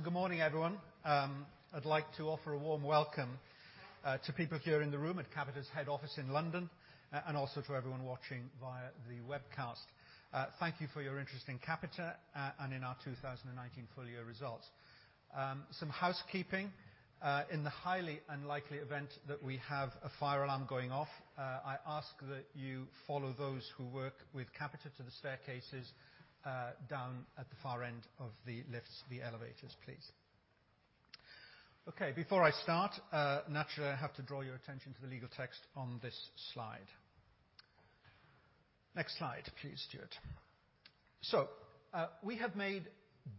Well, good morning, everyone. I'd like to offer a warm welcome to people here in the room at Capita's head office in London, and also to everyone watching via the webcast. Thank you for your interest in Capita and in our 2019 full-year results. Some housekeeping. In the highly unlikely event that we have a fire alarm going off, I ask that you follow those who work with Capita to the staircases down at the far end of the lifts, the elevators, please. Okay, before I start, naturally I have to draw your attention to the legal text on this slide. Next slide, please, Stuart. We have made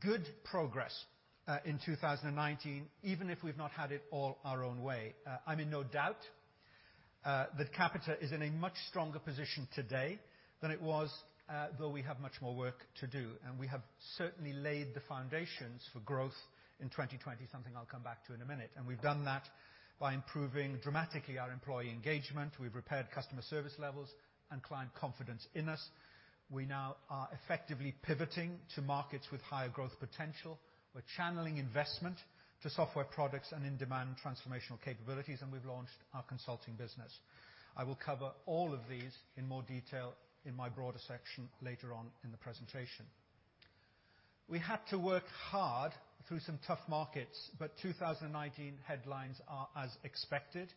good progress, in 2019, even if we've not had it all our own way. I'm in no doubt that Capita is in a much stronger position today than it was, though we have much more work to do. We have certainly laid the foundations for growth in 2020, something I'll come back to in a minute. We've done that by improving dramatically our employee engagement. We've repaired customer service levels and client confidence in us. We now are effectively pivoting to markets with higher growth potential. We're channeling investment to software products and in-demand transformational capabilities, and we've launched our consulting business. I will cover all of these in more detail in my broader section later on in the presentation. We had to work hard through some tough markets, 2019 headlines are as expected,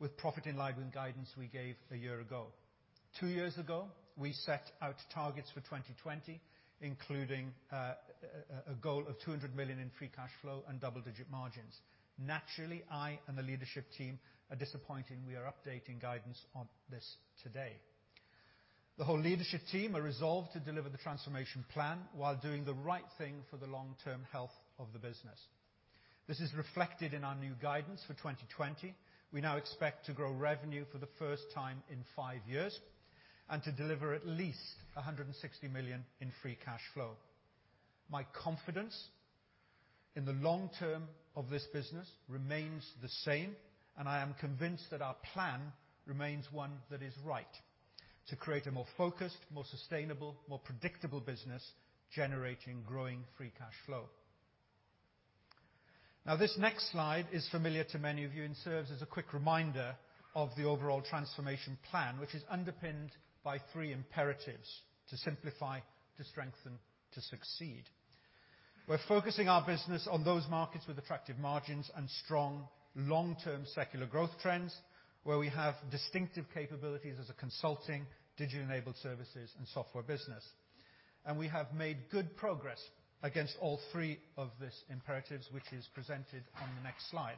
with profit in line with guidance we gave a year ago. Two years ago, we set out targets for 2020, including a goal of 200 million in free cash flow and double-digit margins. Naturally, I and the leadership team are disappointed we are updating guidance on this today. The whole leadership team are resolved to deliver the transformation plan while doing the right thing for the long-term health of the business. This is reflected in our new guidance for 2020. We now expect to grow revenue for the first time in five years, and to deliver at least 160 million in free cash flow. My confidence in the long term of this business remains the same, and I am convinced that our plan remains one that is right to create a more focused, more sustainable, more predictable business generating growing free cash flow. Now, this next slide is familiar to many of you and serves as a quick reminder of the overall transformation plan, which is underpinned by three imperatives: to simplify, to strengthen, to succeed. We're focusing our business on those markets with attractive margins and strong long-term secular growth trends, where we have distinctive capabilities as a consulting, digital-enabled services, and software business. We have made good progress against all three of these imperatives, which is presented on the next slide.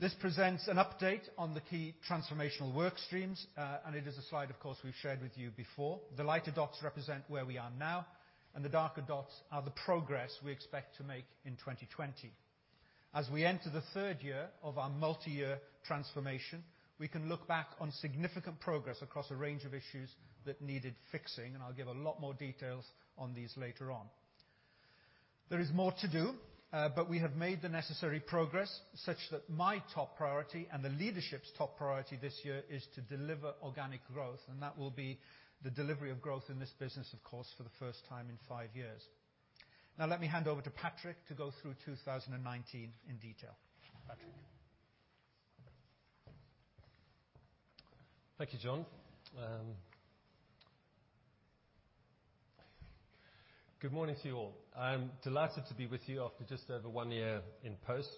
This presents an update on the key transformational work streams. It is a slide, of course, we've shared with you before. The lighter dots represent where we are now, and the darker dots are the progress we expect to make in 2020. As we enter the third year of our multi-year transformation, we can look back on significant progress across a range of issues that needed fixing. I'll give a lot more details on these later on. There is more to do, but we have made the necessary progress such that my top priority and the leadership's top priority this year is to deliver organic growth, and that will be the delivery of growth in this business, of course, for the first time in five years. Now, let me hand over to Patrick to go through 2019 in detail. Patrick? Thank you, Jon. Good morning to you all. I am delighted to be with you after just over one year in post.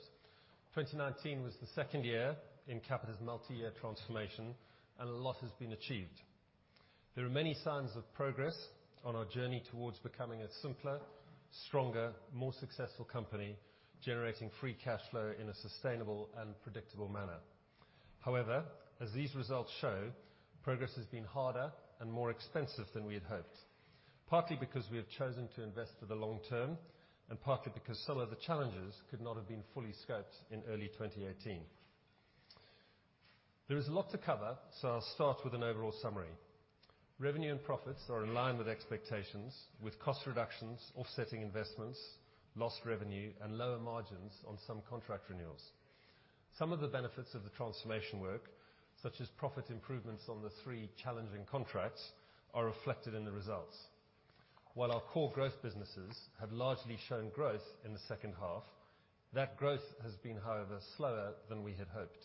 2019 was the second year in Capita's multi-year transformation, and a lot has been achieved. There are many signs of progress on our journey towards becoming a simpler, stronger, more successful company, generating free cash flow in a sustainable and predictable manner. However, as these results show, progress has been harder and more expensive than we had hoped. Partly because we have chosen to invest for the long term, and partly because some of the challenges could not have been fully scoped in early 2018. There is a lot to cover, so I'll start with an overall summary. Revenue and profits are in line with expectations, with cost reductions offsetting investments, lost revenue, and lower margins on some contract renewals. Some of the benefits of the transformation work, such as profit improvements on the three challenging contracts, are reflected in the results. While our core growth businesses have largely shown growth in the second half, that growth has been, however, slower than we had hoped.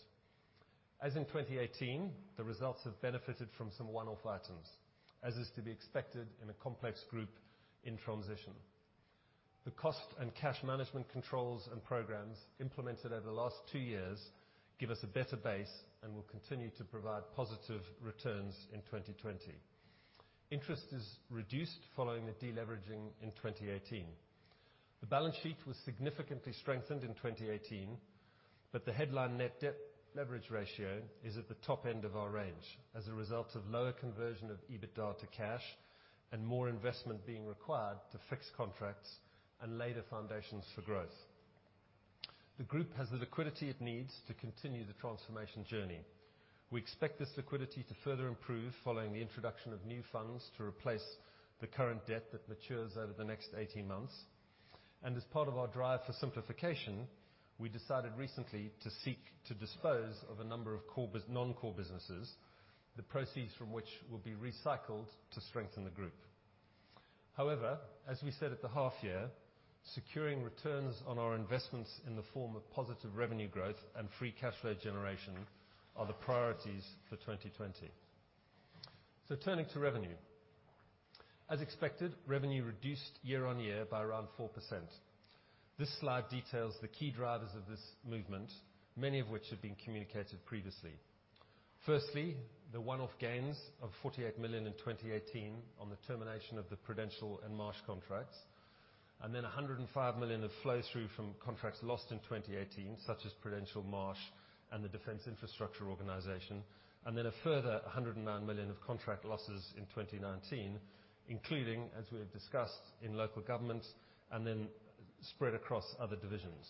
As in 2018, the results have benefited from some one-off items, as is to be expected in a complex group in transition. The cost and cash management controls and programs implemented over the last two years give us a better base and will continue to provide positive returns in 2020. Interest is reduced following the de-leveraging in 2018. The balance sheet was significantly strengthened in 2018, but the headline net debt leverage ratio is at the top end of our range as a result of lower conversion of EBITDA to cash and more investment being required to fix contracts and lay the foundations for growth. The group has the liquidity it needs to continue the transformation journey. We expect this liquidity to further improve following the introduction of new funds to replace the current debt that matures over the next 18 months. As part of our drive for simplification, we decided recently to seek to dispose of a number of non-core businesses. The proceeds from which will be recycled to strengthen the group. However, as we said at the half year, securing returns on our investments in the form of positive revenue growth and free cash flow generation are the priorities for 2020. Turning to revenue. As expected, revenue reduced year-on-year by around 4%. This slide details the key drivers of this movement, many of which have been communicated previously. Firstly, the one-off gains of 48 million in 2018 on the termination of the Prudential and Marsh contracts, and then 105 million of flow-through from contracts lost in 2018, such as Prudential, Marsh, and the Defence Infrastructure Organisation. A further 109 million of contract losses in 2019, including, as we have discussed, in local government, and then spread across other divisions.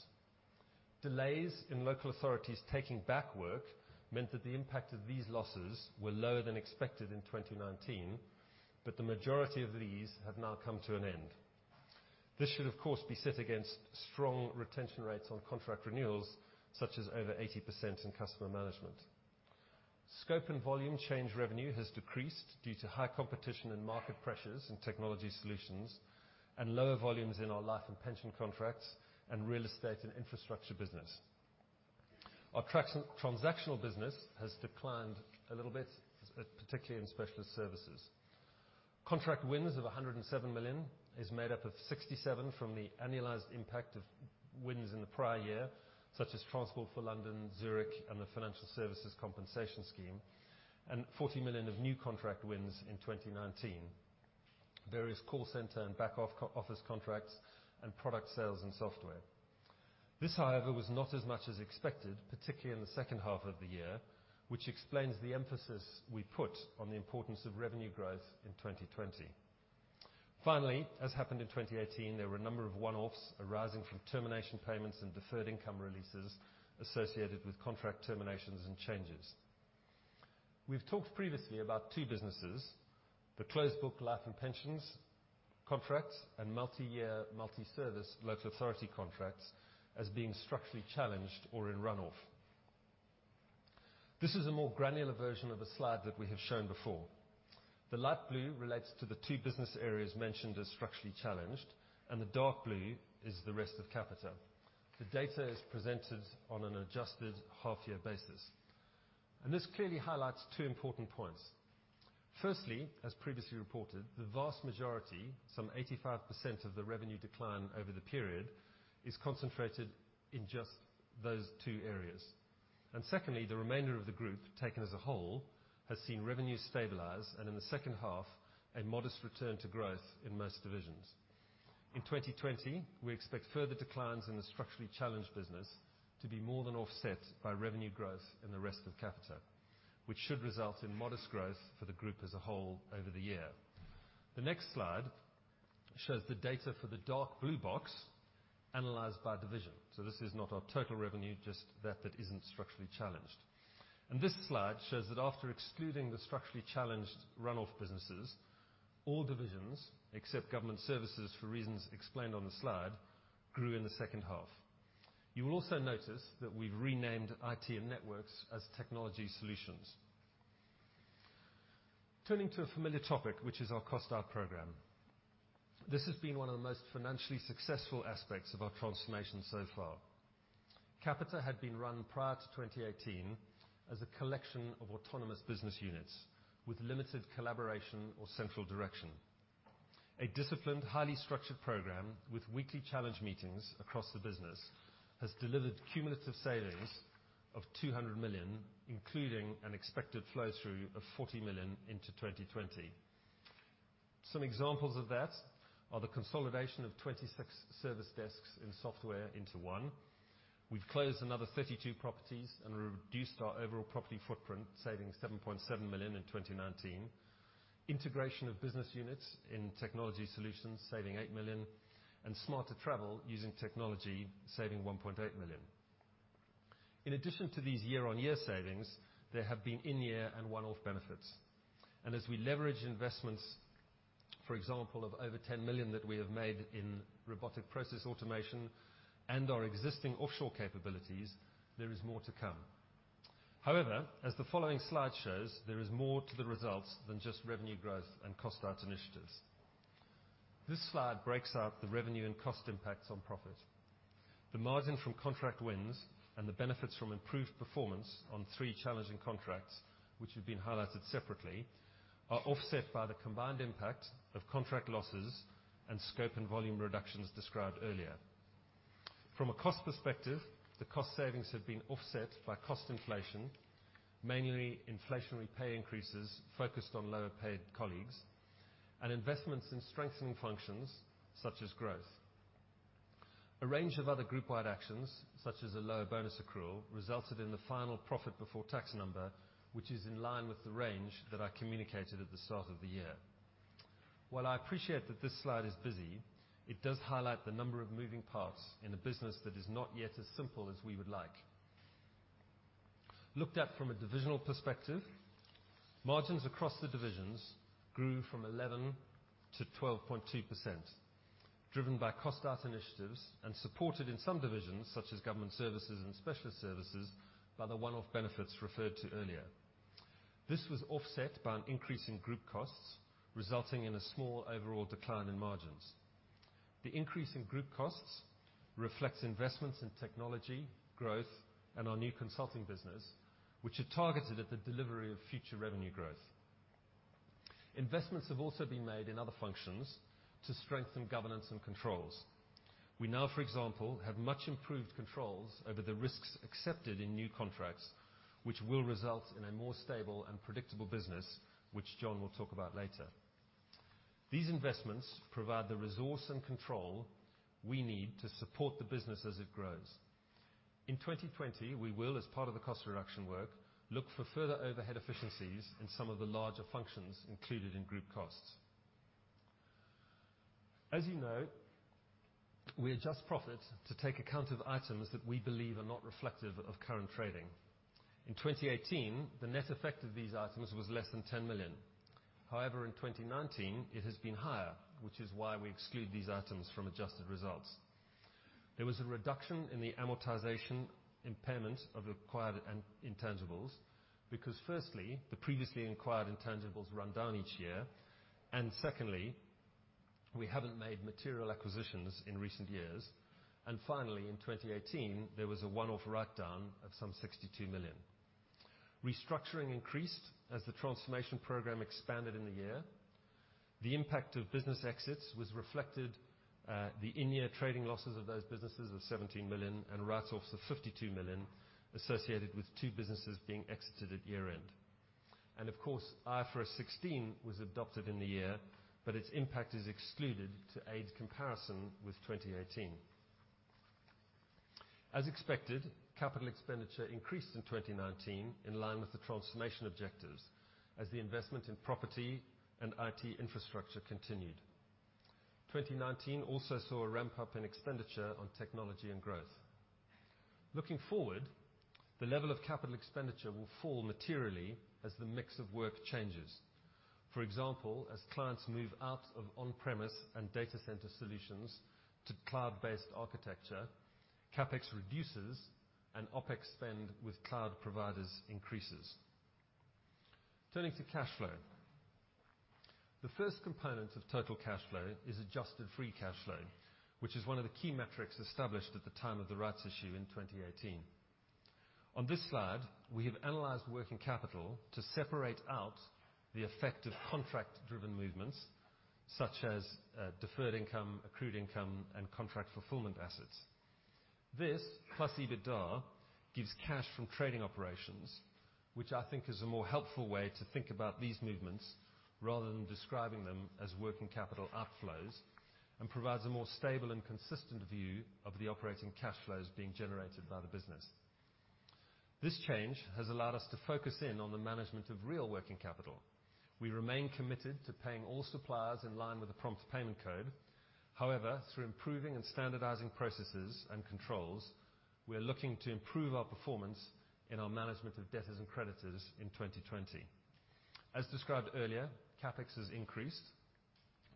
Delays in local authorities taking back work meant that the impact of these losses were lower than expected in 2019, but the majority of these have now come to an end. This should, of course, be set against strong retention rates on contract renewals, such as over 80% in customer management. Scope and volume change revenue has decreased due to high competition and market pressures in Technology Solutions and lower volumes in our life and pension contracts and real estate and infrastructure business. Our transactional business has declined a little bit, particularly in Capita Specialist Services. Contract wins of 107 million is made up of 67 from the annualized impact of wins in the prior year, such as Transport for London, Zurich, and the Financial Services Compensation Scheme, and 40 million of new contract wins in 2019. Various call center and back office contracts and product sales and software. This, however, was not as much as expected, particularly in the second half of the year, which explains the emphasis we put on the importance of revenue growth in 2020. Finally, as happened in 2018, there were a number of one-offs arising from termination payments and deferred income releases associated with contract terminations and changes. We've talked previously about two businesses, the closed book life and pensions contracts, and multi-year, multi-service local authority contracts as being structurally challenged or in run-off. This is a more granular version of a slide that we have shown before. The light blue relates to the two business areas mentioned as structurally challenged, and the dark blue is the rest of Capita. The data is presented on an adjusted half-year basis. This clearly highlights two important points. Firstly, as previously reported, the vast majority, some 85% of the revenue decline over the period, is concentrated in just those two areas. Secondly, the remainder of the group, taken as a whole, has seen revenue stabilize, and in the second half, a modest return to growth in most divisions. In 2020, we expect further declines in the structurally challenged business to be more than offset by revenue growth in the rest of Capita, which should result in modest growth for the group as a whole over the year. The next slide shows the data for the dark blue box analyzed by division. This is not our total revenue, just that that isn't structurally challenged. This slide shows that after excluding the structurally challenged run-off businesses, all divisions, except government services for reasons explained on the slide, grew in the second half. You will also notice that we've renamed IT and Networks as Technology Solutions. Turning to a familiar topic, which is our cost out program. This has been one of the most financially successful aspects of our transformation so far. Capita had been run prior to 2018 as a collection of autonomous business units with limited collaboration or central direction. A disciplined, highly structured program with weekly challenge meetings across the business has delivered cumulative savings of 200 million, including an expected flow-through of 40 million into 2020. Some examples of that are the consolidation of 26 service desks in software into one. We've closed another 32 properties and reduced our overall property footprint, saving 7.7 million in 2019. Integration of business units in Technology Solutions, saving 8 million, and smarter travel using technology, saving 1.8 million. In addition to these year-on-year savings, there have been in-year and one-off benefits. As we leverage investments, for example, of over 10 million that we have made in robotic process automation and our existing offshore capabilities, there is more to come. However, as the following slide shows, there is more to the results than just revenue growth and cost out initiatives. This slide breaks out the revenue and cost impacts on profit. The margin from contract wins and the benefits from improved performance on three challenging contracts, which have been highlighted separately, are offset by the combined impact of contract losses and scope and volume reductions described earlier. From a cost perspective, the cost savings have been offset by cost inflation, mainly inflationary pay increases focused on lower-paid colleagues, and investments in strengthening functions such as growth. A range of other group-wide actions, such as a lower bonus accrual, resulted in the final profit before tax number, which is in line with the range that I communicated at the start of the year. While I appreciate that this slide is busy, it does highlight the number of moving parts in a business that is not yet as simple as we would like. Looked at from a divisional perspective, margins across the divisions grew from 11%-12.2%, driven by cost-out initiatives and supported in some divisions, such as Government Services and Specialist Services, by the one-off benefits referred to earlier. This was offset by an increase in group costs, resulting in a small overall decline in margins. The increase in group costs reflects investments in technology, growth, and our new Consulting Business, which are targeted at the delivery of future revenue growth. Investments have also been made in other functions to strengthen governance and controls. We now, for example, have much improved controls over the risks accepted in new contracts, which will result in a more stable and predictable business, which Jon will talk about later. These investments provide the resource and control we need to support the business as it grows. In 2020, we will, as part of the cost reduction work, look for further overhead efficiencies in some of the larger functions included in group costs. As you know, we adjust profit to take account of items that we believe are not reflective of current trading. In 2018, the net effect of these items was less than 10 million. However, in 2019 it has been higher, which is why we exclude these items from adjusted results. There was a reduction in the amortization impairment of acquired intangibles because firstly, the previously acquired intangibles run down each year, and secondly, we haven't made material acquisitions in recent years. Finally, in 2018, there was a one-off write-down of some 62 million. Restructuring increased as the transformation program expanded in the year. The impact of business exits was reflected at the in-year trading losses of those businesses of 17 million and write-offs of 52 million associated with two businesses being exited at year-end. Of course, IFRS 16 was adopted in the year, but its impact is excluded to aid comparison with 2018. As expected, capital expenditure increased in 2019 in line with the transformation objectives as the investment in property and IT infrastructure continued. 2019 also saw a ramp-up in expenditure on technology and growth. Looking forward, the level of capital expenditure will fall materially as the mix of work changes. For example, as clients move out of on-premise and data center solutions to cloud-based architecture, CapEx reduces and OpEx spend with cloud providers increases. Turning to cash flow. The first component of total cash flow is adjusted free cash flow, which is one of the key metrics established at the time of the rights issue in 2018. On this slide, we have analyzed working capital to separate out the effect of contract-driven movements such as deferred income, accrued income, and contract fulfillment assets. This, plus EBITDA, gives cash from trading operations, which I think is a more helpful way to think about these movements rather than describing them as working capital outflows, and provides a more stable and consistent view of the operating cash flows being generated by the business. This change has allowed us to focus in on the management of real working capital. We remain committed to paying all suppliers in line with the Prompt Payment Code. However, through improving and standardizing processes and controls, we are looking to improve our performance in our management of debtors and creditors in 2020. Described earlier, CapEx has increased.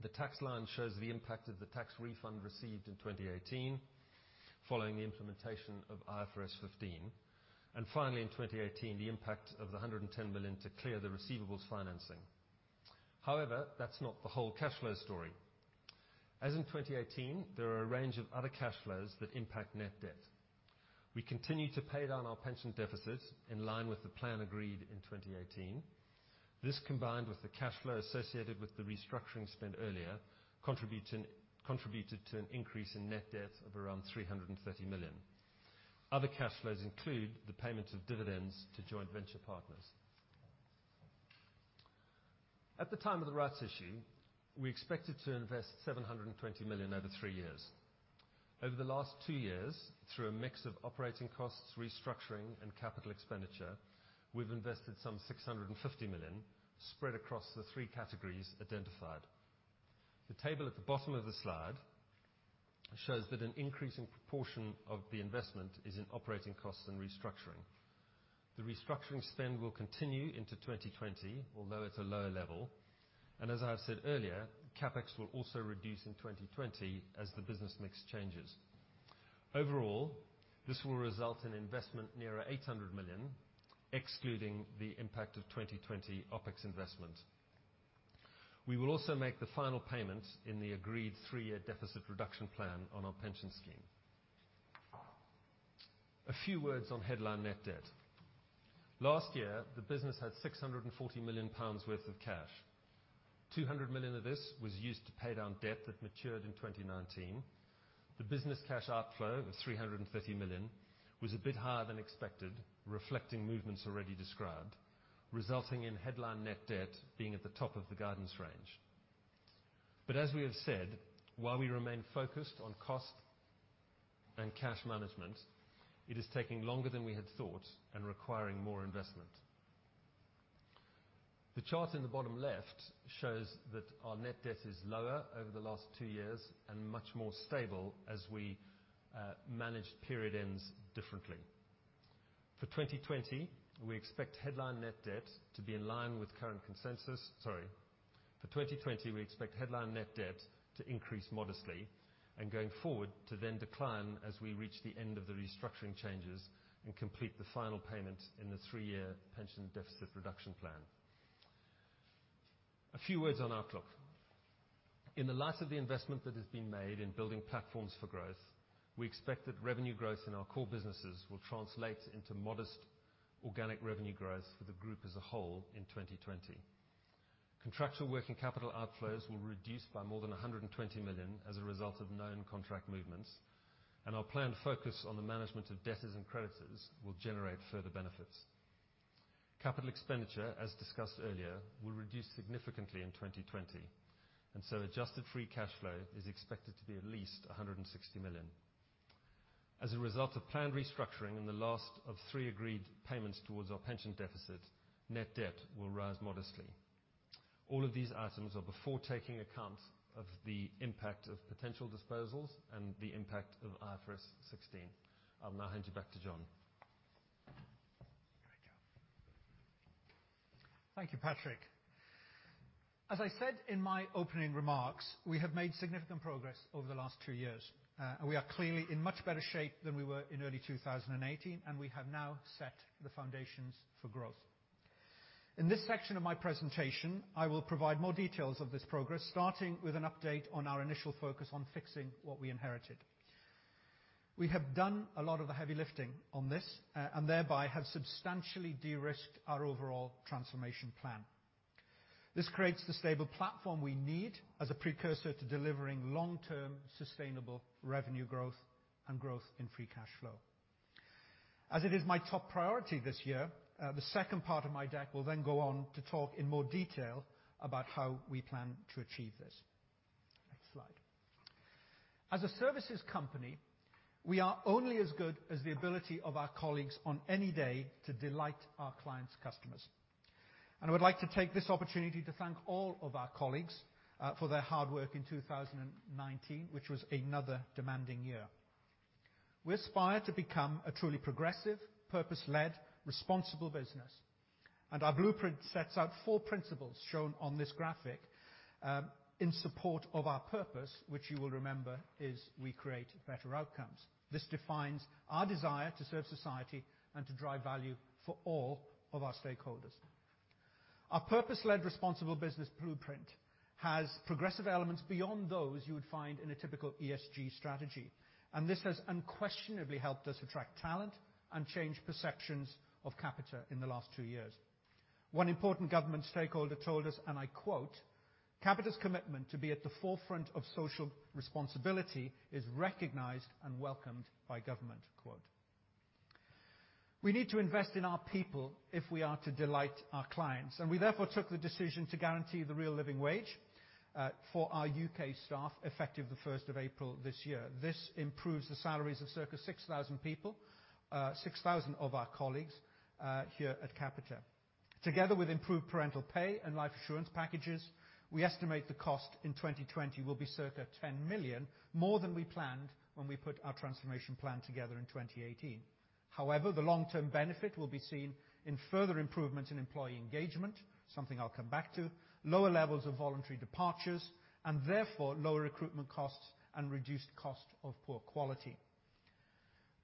The tax line shows the impact of the tax refund received in 2018 following the implementation of IFRS 15. Finally, in 2018, the impact of the 110 million to clear the receivables financing. However, that's not the whole cash flow story. In 2018, there are a range of other cash flows that impact net debt. We continue to pay down our pension deficits in line with the plan agreed in 2018. This, combined with the cash flow associated with the restructuring spend earlier, contributed to an increase in net debt of around 330 million. Other cash flows include the payment of dividends to joint venture partners. At the time of the rights issue, we expected to invest 720 million over three years. Over the last two years, through a mix of operating costs, restructuring, and capital expenditure, we've invested some 650 million spread across the three categories identified. The table at the bottom of the slide shows that an increasing proportion of the investment is in operating costs and restructuring. The restructuring spend will continue into 2020, although at a lower level. As I have said earlier, CapEx will also reduce in 2020 as the business mix changes. Overall, this will result in investment nearer 800 million, excluding the impact of 2020 OpEx investment. We will also make the final payment in the agreed three-year deficit reduction plan on our pension scheme. A few words on headline net debt. Last year, the business had 640 million pounds worth of cash. 200 million of this was used to pay down debt that matured in 2019. The business cash outflow of 330 million was a bit higher than expected, reflecting movements already described, resulting in headline net debt being at the top of the guidance range. As we have said, while we remain focused on cost and cash management, it is taking longer than we had thought and requiring more investment. The chart in the bottom left shows that our net debt is lower over the last two years and much more stable as we manage period ends differently. For 2020, we expect headline net debt to increase modestly and going forward to then decline as we reach the end of the restructuring changes and complete the final payment in the three-year pension deficit reduction plan. A few words on outlook. In the light of the investment that has been made in building platforms for growth, we expect that revenue growth in our core businesses will translate into modest organic revenue growth for the group as a whole in 2020. Contractual working capital outflows will reduce by more than 120 million as a result of known contract movements, and our planned focus on the management of debtors and creditors will generate further benefits. Capital expenditure, as discussed earlier, will reduce significantly in 2020. Adjusted free cash flow is expected to be at least 160 million. As a result of planned restructuring and the last of three agreed payments towards our pension deficit, net debt will rise modestly. All of these items are before taking account of the impact of potential disposals and the impact of IFRS 16. I will now hand you back to Jon. Thank you, Patrick. As I said in my opening remarks, we have made significant progress over the last two years. We are clearly in much better shape than we were in early 2018, and we have now set the foundations for growth. In this section of my presentation, I will provide more details of this progress, starting with an update on our initial focus on fixing what we inherited. We have done a lot of the heavy lifting on this, and thereby have substantially de-risked our overall transformation plan. This creates the stable platform we need as a precursor to delivering long-term sustainable revenue growth and growth in free cash flow. As it is my top priority this year, the second part of my deck will then go on to talk in more detail about how we plan to achieve this. Next slide. As a services company, we are only as good as the ability of our colleagues on any day to delight our clients' customers. I would like to take this opportunity to thank all of our colleagues for their hard work in 2019, which was another demanding year. We aspire to become a truly progressive, purpose-led, responsible business, and our blueprint sets out four principles shown on this graphic in support of our purpose, which you will remember is we create better outcomes. This defines our desire to serve society and to drive value for all of our stakeholders. Our purpose-led responsible business blueprint has progressive elements beyond those you would find in a typical ESG strategy, and this has unquestionably helped us attract talent and change perceptions of Capita in the last two years. One important government stakeholder told us, and I quote, "Capita's commitment to be at the forefront of social responsibility is recognized and welcomed by government." We need to invest in our people if we are to delight our clients, and we therefore took the decision to guarantee the real living wage for our U.K. staff effective the 1st of April this year. This improves the salaries of circa 6,000 people, 6,000 of our colleagues here at Capita. Together with improved parental pay and life insurance packages, we estimate the cost in 2020 will be circa 10 million, more than we planned when we put our transformation plan together in 2018. However, the long-term benefit will be seen in further improvements in employee engagement, something I'll come back to, lower levels of voluntary departures, and therefore lower recruitment costs and reduced Cost of Poor Quality.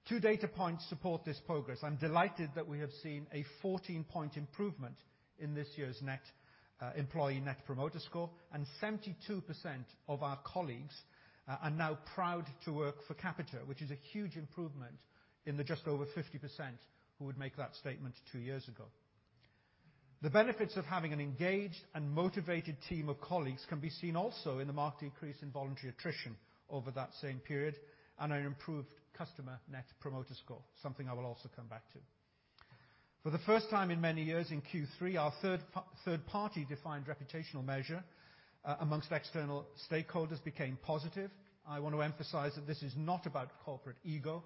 Two data points support this progress. I'm delighted that we have seen a 14-point improvement in this year's employee Net Promoter Score, and 72% of our colleagues are now proud to work for Capita, which is a huge improvement in the just over 50% who would make that statement two years ago. The benefits of having an engaged and motivated team of colleagues can be seen also in the marked increase in voluntary attrition over that same period and an improved customer Net Promoter Score, something I will also come back to. For the first time in many years in Q3, our third party-defined reputational measure amongst external stakeholders became positive. I want to emphasize that this is not about corporate ego,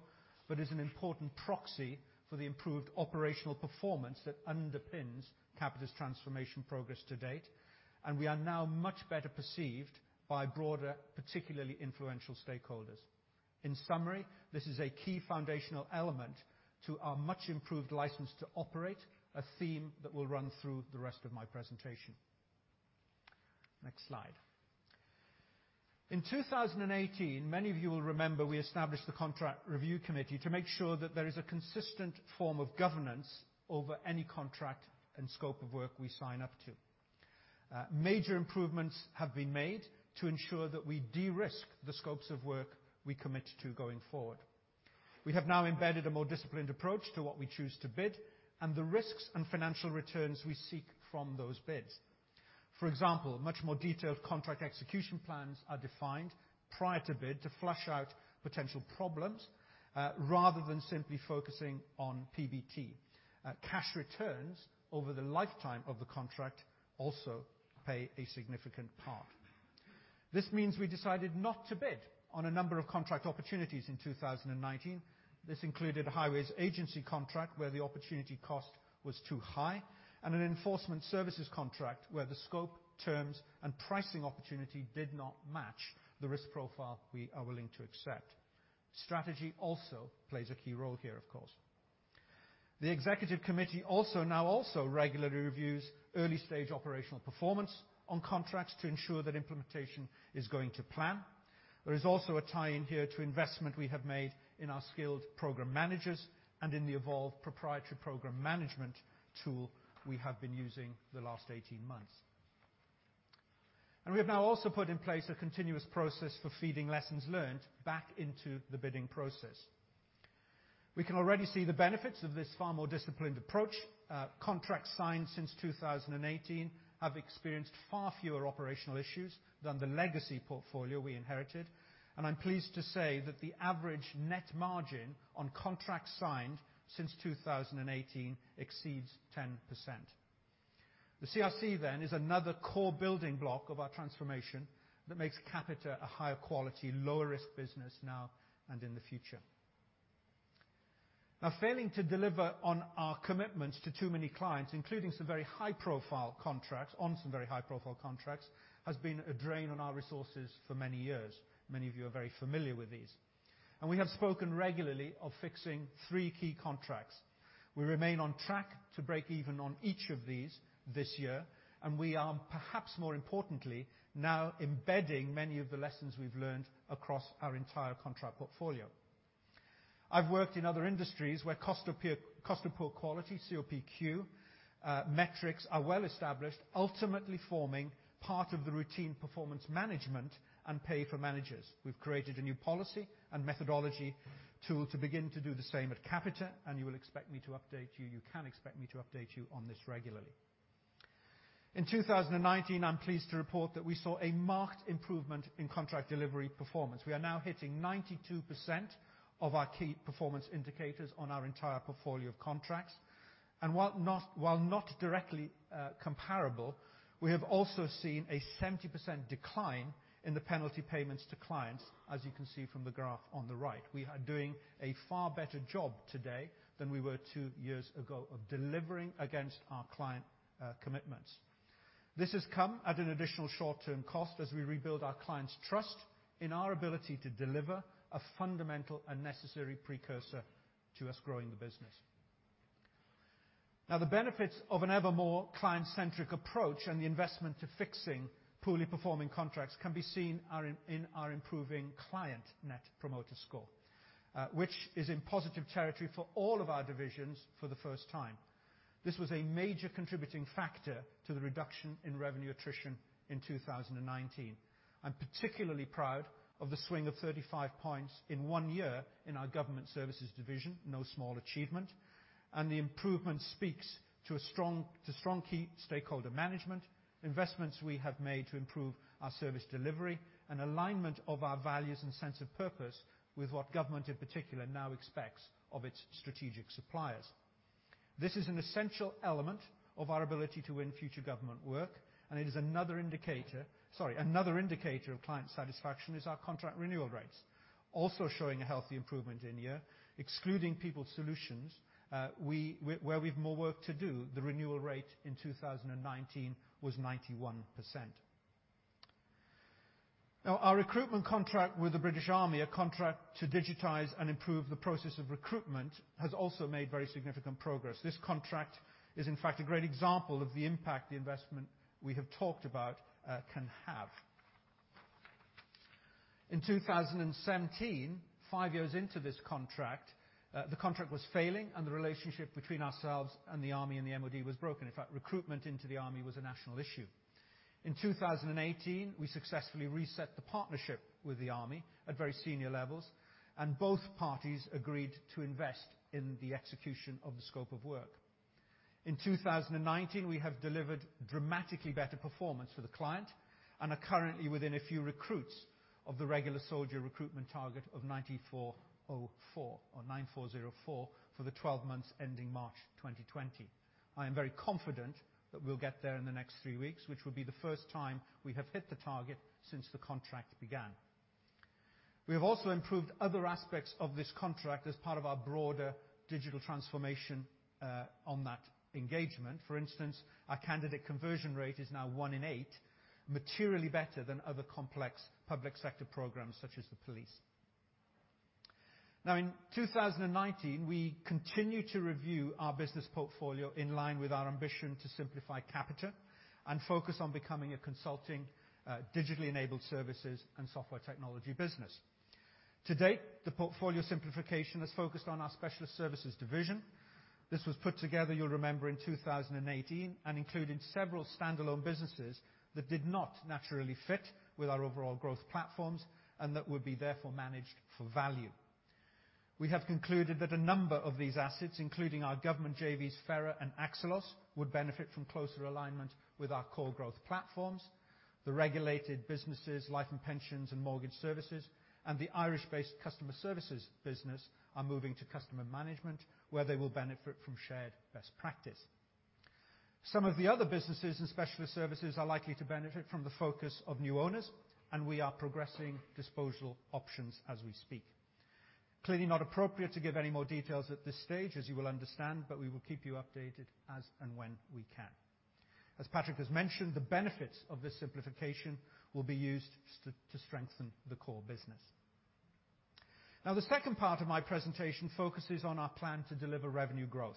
but is an important proxy for the improved operational performance that underpins Capita's transformation progress to date, and we are now much better perceived by broader, particularly influential stakeholders. In summary, this is a key foundational element to our much improved license to operate, a theme that will run through the rest of my presentation. Next slide. In 2018, many of you will remember we established the Contract Review Committee to make sure that there is a consistent form of governance over any contract and scope of work we sign up to. Major improvements have been made to ensure that we de-risk the scopes of work we commit to going forward. We have now embedded a more disciplined approach to what we choose to bid and the risks and financial returns we seek from those bids. For example, much more detailed contract execution plans are defined prior to bid to flush out potential problems, rather than simply focusing on PBT. Cash returns over the lifetime of the contract also play a significant part. This means we decided not to bid on a number of contract opportunities in 2019. This included a highways agency contract where the opportunity cost was too high, and an enforcement services contract where the scope, terms, and pricing opportunity did not match the risk profile we are willing to accept. Strategy also plays a key role here, of course. The executive committee also now regularly reviews early-stage operational performance on contracts to ensure that implementation is going to plan. There is also a tie-in here to investment we have made in our skilled program managers and in the Evolve proprietary program management tool we have been using the last 18 months. We have now also put in place a continuous process for feeding lessons learned back into the bidding process. We can already see the benefits of this far more disciplined approach. Contracts signed since 2018 have experienced far fewer operational issues than the legacy portfolio we inherited. I'm pleased to say that the average net margin on contracts signed since 2018 exceeds 10%. The CRC then is another core building block of our transformation that makes Capita a higher quality, lower risk business now and in the future. Failing to deliver on our commitments to too many clients, including some very high-profile contracts, has been a drain on our resources for many years. Many of you are very familiar with these. We have spoken regularly of fixing three key contracts. We remain on track to break even on each of these this year. We are perhaps more importantly, now embedding many of the lessons we've learned across our entire contract portfolio. I've worked in other industries where cost of poor quality, COPQ, metrics are well established, ultimately forming part of the routine performance management and pay for managers. We've created a new policy and methodology tool to begin to do the same at Capita. You will expect me to update you. You can expect me to update you on this regularly. In 2019, I'm pleased to report that we saw a marked improvement in contract delivery performance. We are now hitting 92% of our key performance indicators on our entire portfolio of contracts. While not directly comparable, we have also seen a 70% decline in the penalty payments to clients, as you can see from the graph on the right. We are doing a far better job today than we were two years ago of delivering against our client commitments. This has come at an additional short-term cost as we rebuild our clients' trust in our ability to deliver a fundamental and necessary precursor to us growing the business. The benefits of an ever more client-centric approach and the investment to fixing poorly performing contracts can be seen in our improving client Net Promoter Score, which is in positive territory for all of our divisions for the first time. This was a major contributing factor to the reduction in revenue attrition in 2019. I'm particularly proud of the swing of 35 points in one year in our Government Services division. No small achievement. The improvement speaks to strong key stakeholder management, investments we have made to improve our service delivery, and alignment of our values and sense of purpose with what government, in particular, now expects of its strategic suppliers. This is an essential element of our ability to win future government work. Another indicator of client satisfaction is our contract renewal rates. Also showing a healthy improvement in year, excluding People Solutions, where we've more work to do. The renewal rate in 2019 was 91%. Our recruitment contract with the British Army, a contract to digitize and improve the process of recruitment, has also made very significant progress. This contract is in fact a great example of the impact the investment we have talked about can have. In 2017, five years into this contract, the contract was failing and the relationship between ourselves and the Army and the MOD was broken. In fact, recruitment into the Army was a national issue. In 2018, we successfully reset the partnership with the Army at very senior levels, and both parties agreed to invest in the execution of the scope of work. In 2019, we have delivered dramatically better performance for the client and are currently within a few recruits of the regular soldier recruitment target of 9,404 for the 12 months ending March 2020. I am very confident that we'll get there in the next three weeks, which will be the first time we have hit the target since the contract began. We have also improved other aspects of this contract as part of our broader digital transformation on that engagement. For instance, our candidate conversion rate is now one in eight, materially better than other complex public sector programs such as the police. In 2019, we continue to review our business portfolio in line with our ambition to simplify Capita and focus on becoming a consulting, digitally enabled services and software technology business. To date, the portfolio simplification is focused on our Capita Specialist Services division. This was put together, you'll remember, in 2018 and included several standalone businesses that did not naturally fit with our overall growth platforms and that would be therefore managed for value. We have concluded that a number of these assets, including our government JVs, Fera and Axelos, would benefit from closer alignment with our core growth platforms. The regulated businesses, Life and Pensions and Mortgage Services, and the Irish-based customer services business are moving to customer management, where they will benefit from shared best practice. Some of the other businesses and specialist services are likely to benefit from the focus of new owners. We are progressing disposal options as we speak. It is clearly not appropriate to give any more details at this stage, as you will understand. We will keep you updated as and when we can. As Patrick has mentioned, the benefits of this simplification will be used to strengthen the core business. Now, the second part of my presentation focuses on our plan to deliver revenue growth.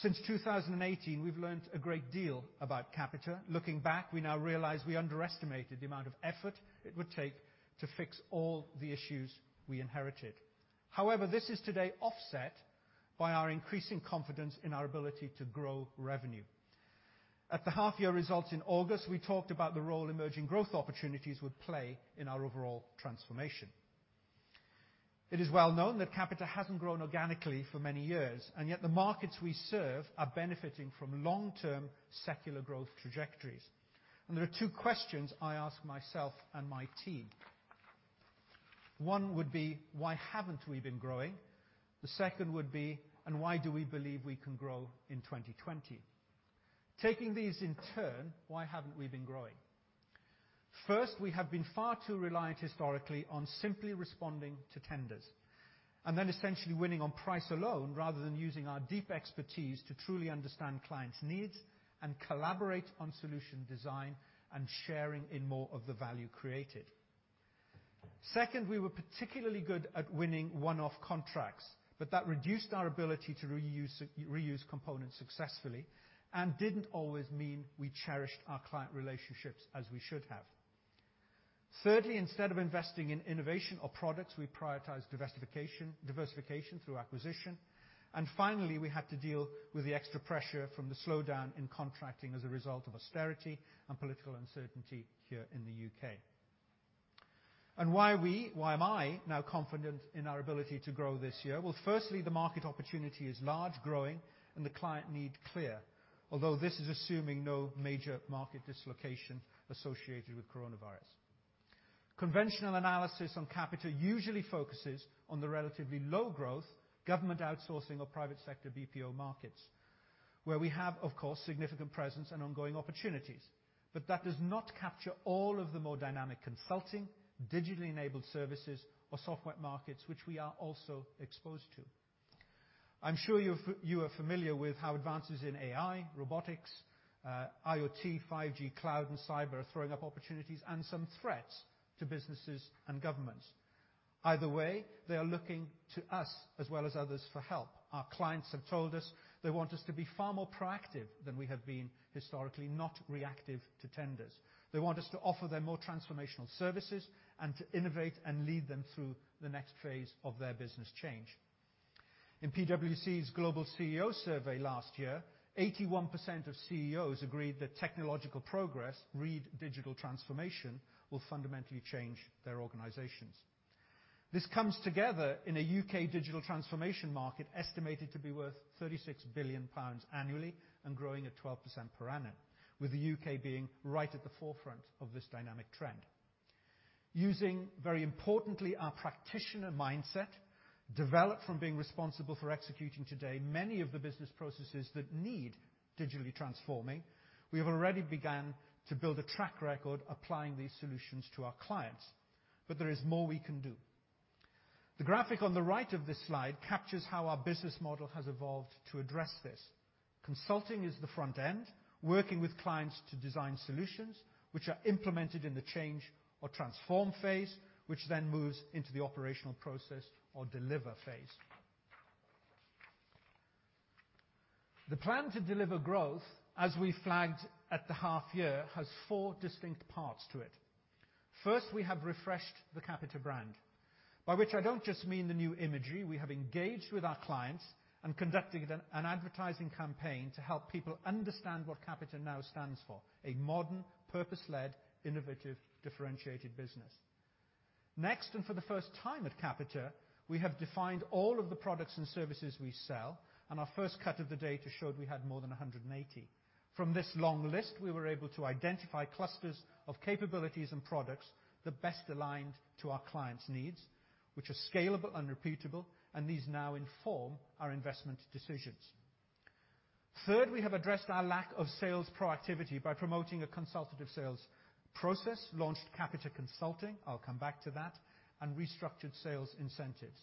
Since 2018, we've learned a great deal about Capita. Looking back, we now realize we underestimated the amount of effort it would take to fix all the issues we inherited. However, this is today offset by our increasing confidence in our ability to grow revenue. At the half-year results in August, we talked about the role emerging growth opportunities would play in our overall transformation. It is well-known that Capita hasn't grown organically for many years, yet the markets we serve are benefiting from long-term secular growth trajectories. There are two questions I ask myself and my team. One would be, why haven't we been growing? The second would be, why do we believe we can grow in 2020? Taking these in turn, why haven't we been growing? First, we have been far too reliant historically on simply responding to tenders, and then essentially winning on price alone rather than using our deep expertise to truly understand clients' needs and collaborate on solution design and sharing in more of the value created. Second, we were particularly good at winning one-off contracts, but that reduced our ability to reuse components successfully and didn't always mean we cherished our client relationships as we should have. Thirdly, instead of investing in innovation or products, we prioritize diversification through acquisition. Finally, we had to deal with the extra pressure from the slowdown in contracting as a result of austerity and political uncertainty here in the U.K. Why am I now confident in our ability to grow this year? Well, firstly, the market opportunity is large, growing, and the client need clear, although this is assuming no major market dislocation associated with coronavirus. Conventional analysis on Capita usually focuses on the relatively low-growth government outsourcing or private sector BPO markets, where we have, of course, significant presence and ongoing opportunities. That does not capture all of the more dynamic consulting, digitally enabled services or software markets, which we are also exposed to. I am sure you are familiar with how advances in AI, robotics, IoT, 5G, cloud, and cyber are throwing up opportunities and some threats to businesses and governments. Either way, they are looking to us as well as others for help. Our clients have told us they want us to be far more proactive than we have been historically, not reactive to tenders. They want us to offer them more transformational services and to innovate and lead them through the next phase of their business change. In PwC's global CEO survey last year, 81% of CEOs agreed that technological progress, read digital transformation, will fundamentally change their organizations. This comes together in a U.K. digital transformation market estimated to be worth 36 billion pounds annually and growing at 12% per annum, with the U.K. being right at the forefront of this dynamic trend. Using, very importantly, our practitioner mindset, developed from being responsible for executing today many of the business processes that need digitally transforming, we have already began to build a track record applying these solutions to our clients, there is more we can do. The graphic on the right of this slide captures how our business model has evolved to address this. Consulting is the front end, working with clients to design solutions, which are implemented in the change or transform phase, which then moves into the operational process or deliver phase. The plan to deliver growth, as we flagged at the half year, has four distinct parts to it. First, we have refreshed the Capita brand, by which I don't just mean the new imagery. We have engaged with our clients and conducting an advertising campaign to help people understand what Capita now stands for, a modern, purpose-led, innovative, differentiated business. For the first time at Capita, we have defined all of the products and services we sell, and our first cut of the data showed we had more than 180. From this long list, we were able to identify clusters of capabilities and products that best aligned to our clients' needs, which are scalable and repeatable, and these now inform our investment decisions. We have addressed our lack of sales proactivity by promoting a consultative sales process, launched Capita Consulting, I'll come back to that, and restructured sales incentives.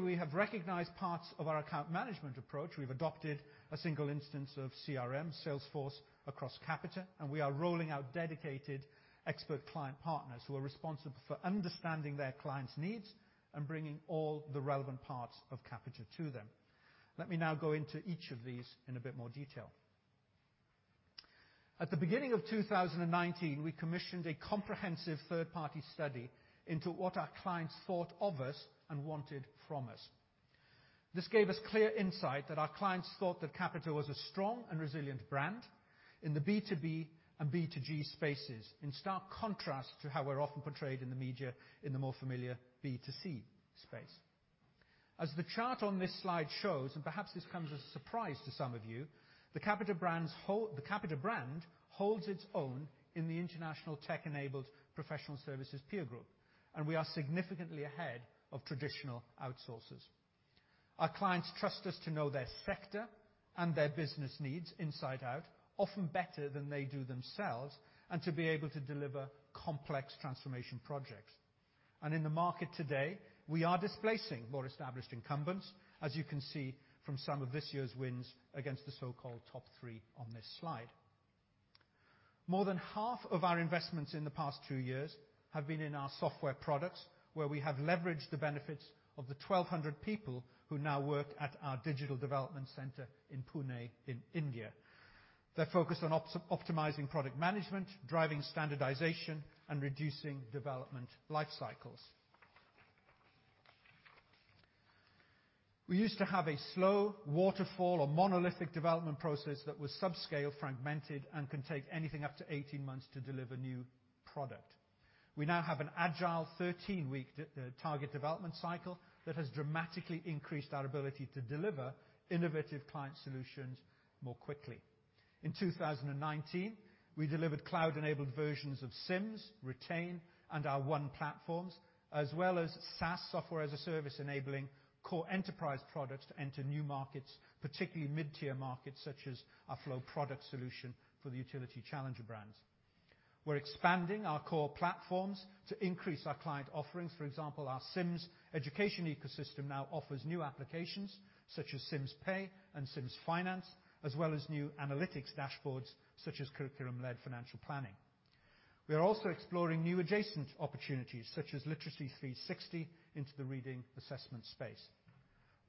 We have recognized parts of our account management approach. We've adopted a single instance of CRM Salesforce across Capita, and we are rolling out dedicated expert client partners who are responsible for understanding their clients' needs and bringing all the relevant parts of Capita to them. Let me now go into each of these in a bit more detail. At the beginning of 2019, we commissioned a comprehensive third-party study into what our clients thought of us and wanted from us. This gave us clear insight that our clients thought that Capita was a strong and resilient brand in the B2B and B2G spaces, in stark contrast to how we're often portrayed in the media in the more familiar B2C space. As the chart on this slide shows, and perhaps this comes as a surprise to some of you, the Capita brand holds its own in the international tech-enabled professional services peer group, and we are significantly ahead of traditional outsourcers. Our clients trust us to know their sector and their business needs inside out, often better than they do themselves, and to be able to deliver complex transformation projects. In the market today, we are displacing more established incumbents, as you can see from some of this year's wins against the so-called top three on this slide. More than half of our investments in the past two years have been in our software products, where we have leveraged the benefits of the 1,200 people who now work at our digital development center in Pune, in India. They're focused on optimizing product management, driving standardization, and reducing development life cycles. We used to have a slow waterfall or monolithic development process that was sub-scale fragmented and can take anything up to 18 months to deliver new product. We now have an agile 13-week target development cycle that has dramatically increased our ability to deliver innovative client solutions more quickly. In 2019, we delivered cloud-enabled versions of SIMS, Retain, and our One platforms, as well as SaaS, software as a service, enabling core enterprise products to enter new markets, particularly mid-tier markets, such as our flow product solution for the utility challenger brands. We're expanding our core platforms to increase our client offerings. For example, our SIMS education ecosystem now offers new applications such as SIMS Pay and SIMS Finance, as well as new analytics dashboards such as curriculum-led financial planning. We are also exploring new adjacent opportunities, such as Literacy360 into the reading assessment space.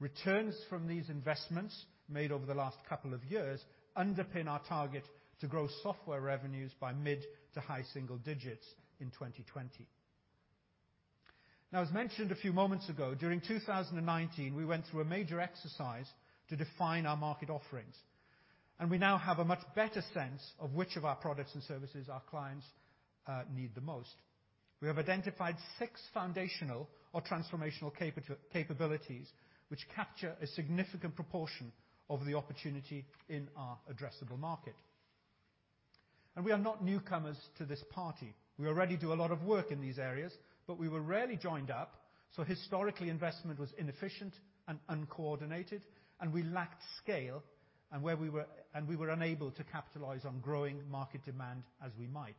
Returns from these investments made over the last couple of years underpin our target to grow software revenues by mid to high single digits in 2020. As mentioned a few moments ago, during 2019, we went through a major exercise to define our market offerings, and we now have a much better sense of which of our products and services our clients need the most. We have identified six foundational or transformational capabilities which capture a significant proportion of the opportunity in our addressable market. We are not newcomers to this party. We already do a lot of work in these areas, but we were rarely joined up, so historically, investment was inefficient and uncoordinated, and we lacked scale, and we were unable to capitalize on growing market demand as we might.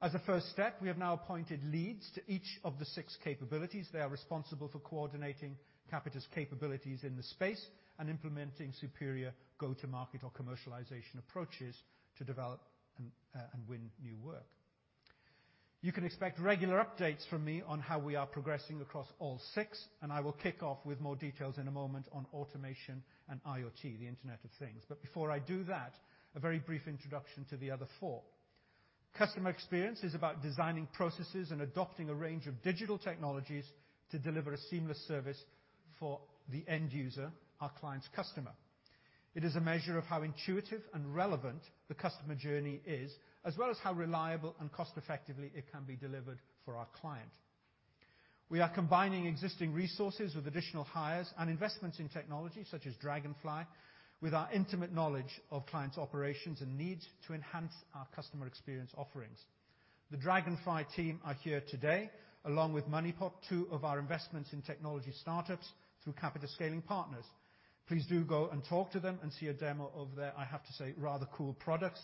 As a first step, we have now appointed leads to each of the six capabilities. They are responsible for coordinating Capita's capabilities in the space and implementing superior go-to-market or commercialization approaches to develop and win new work. You can expect regular updates from me on how we are progressing across all six, and I will kick off with more details in a moment on automation and IoT, the Internet of Things. Before I do that, a very brief introduction to the other four. Customer experience is about designing processes and adopting a range of digital technologies to deliver a seamless service for the end user, our client's customer. It is a measure of how intuitive and relevant the customer journey is, as well as how reliable and cost-effectively it can be delivered for our client. We are combining existing resources with additional hires and investments in technology such as Dragonfly with our intimate knowledge of clients' operations and needs to enhance our customer experience offerings. The Dragonfly team are here today, along with Moneyhub, two of our investments in technology startups through Capita Scaling Partners. Please do go and talk to them and see a demo of their, I have to say, rather cool products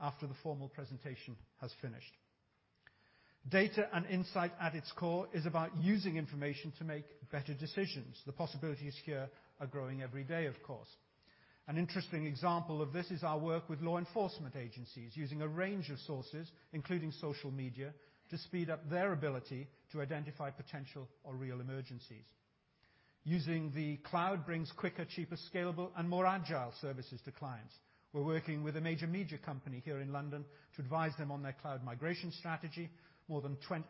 after the formal presentation has finished. Data and insight at its core is about using information to make better decisions. The possibilities here are growing every day, of course. An interesting example of this is our work with law enforcement agencies using a range of sources, including social media, to speed up their ability to identify potential or real emergencies. Using the cloud brings quicker, cheaper, scalable, and more agile services to clients. We're working with a major media company here in London to advise them on their cloud migration strategy. More than 20%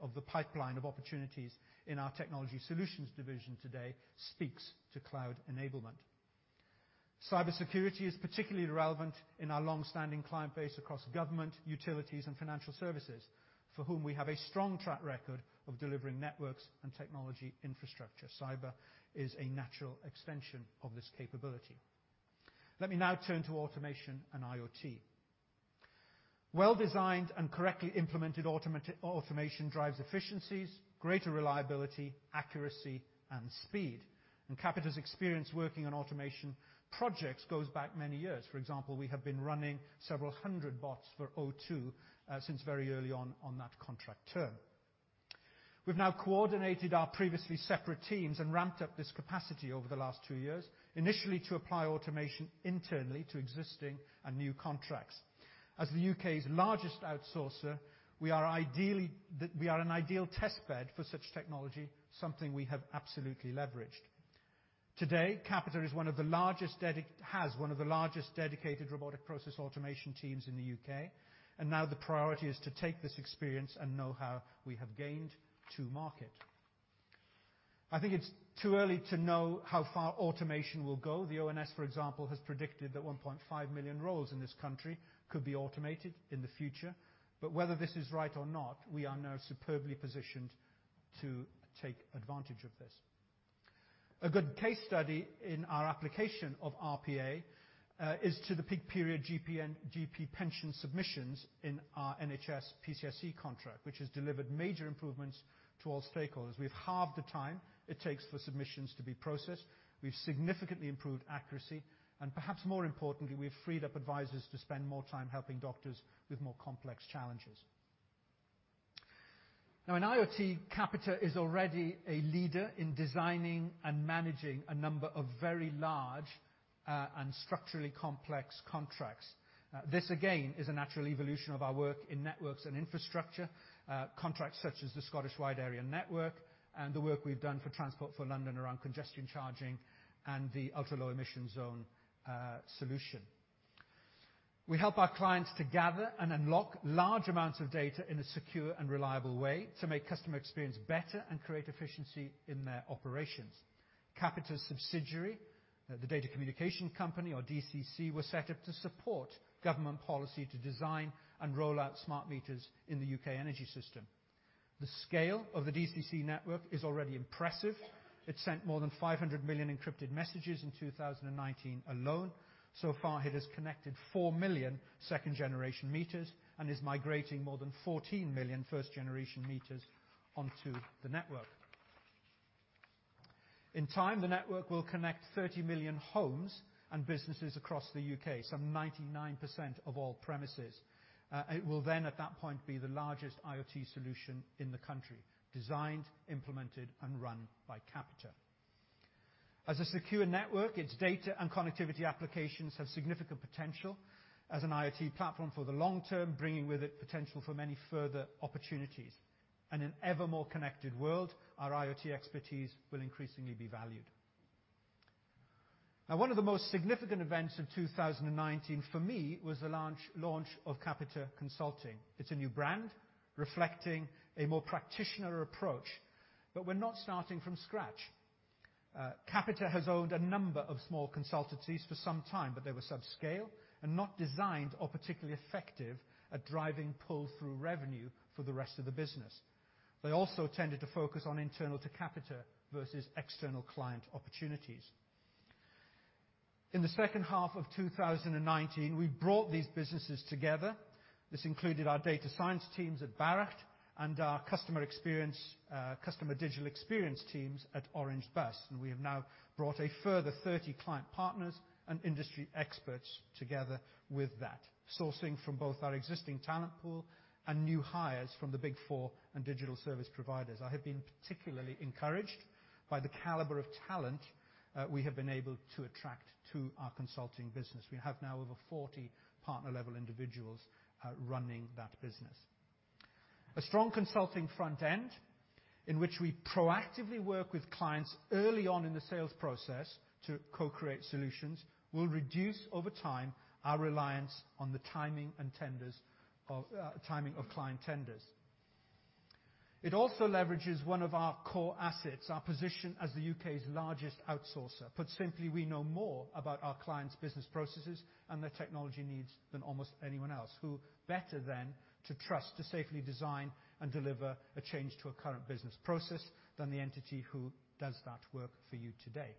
of the pipeline of opportunities in our Technology Solutions division today speaks to cloud enablement. Cybersecurity is particularly relevant in our long-standing client base across government, utilities, and financial services, for whom we have a strong track record of delivering networks and technology infrastructure. Cyber is a natural extension of this capability. Let me now turn to automation and IoT. Well-designed and correctly implemented automation drives efficiencies, greater reliability, accuracy, and speed. Capita's experience working on automation projects goes back many years. For example, we have been running several hundred bots for O2, since very early on that contract term. We've now coordinated our previously separate teams and ramped up this capacity over the last two years, initially to apply automation internally to existing and new contracts. As the U.K.'s largest outsourcer, we are an ideal test bed for such technology, something we have absolutely leveraged. Today, Capita has one of the largest dedicated robotic process automation teams in the U.K., and now the priority is to take this experience and know-how we have gained to market. I think it's too early to know how far automation will go. The ONS, for example, has predicted that 1.5 million roles in this country could be automated in the future. Whether this is right or not, we are now superbly positioned to take advantage of this. A good case study in our application of RPA is to the peak period GP and GP pension submissions in our NHS PCSE contract, which has delivered major improvements to all stakeholders. We've halved the time it takes for submissions to be processed. We've significantly improved accuracy, and perhaps more importantly, we've freed up advisors to spend more time helping doctors with more complex challenges. Now in IoT, Capita is already a leader in designing and managing a number of very large, and structurally complex contracts. This, again, is a natural evolution of our work in networks and infrastructure, contracts such as the Scottish Wide Area Network and the work we've done for Transport for London around congestion charging and the Ultra Low Emission Zone solution. We help our clients to gather and unlock large amounts of data in a secure and reliable way to make customer experience better and create efficiency in their operations. Capita's subsidiary, the Data Communication Company or DCC, was set up to support government policy to design and roll out smart meters in the U.K. energy system. The scale of the DCC network is already impressive. It sent more than 500 million encrypted messages in 2019 alone. So far, it has connected 4 million second-generation meters and is migrating more than 14 million first-generation meters onto the network. In time, the network will connect 30 million homes and businesses across the U.K., some 99% of all premises. It will then, at that point, be the largest IoT solution in the country, designed, implemented, and run by Capita. As a secure network, its data and connectivity applications have significant potential as an IoT platform for the long term, bringing with it potential for many further opportunities. In an ever more connected world, our IoT expertise will increasingly be valued. One of the most significant events of 2019 for me was the launch of Capita Consulting. It's a new brand reflecting a more practitioner approach, we're not starting from scratch. Capita has owned a number of small consultancies for some time, they were sub-scale and not designed or particularly effective at driving pull-through revenue for the rest of the business. They also tended to focus on internal to Capita versus external client opportunities. In the second half of 2019, we brought these businesses together. This included our data science teams at Barrachd and our customer digital experience teams at Orange Bus, and we have now brought a further 30 client partners and industry experts together with that. Sourcing from both our existing talent pool and new hires from the Big Four and digital service providers. I have been particularly encouraged by the caliber of talent we have been able to attract to our consulting business. We have now over 40 partner-level individuals running that business. A strong consulting front end in which we proactively work with clients early on in the sales process to co-create solutions will reduce over time our reliance on the timing of client tenders. It also leverages one of our core assets, our position as the U.K.'s largest outsourcer. Put simply, we know more about our clients' business processes and their technology needs than almost anyone else. Who better than to trust to safely design and deliver a change to a current business process than the entity who does that work for you today?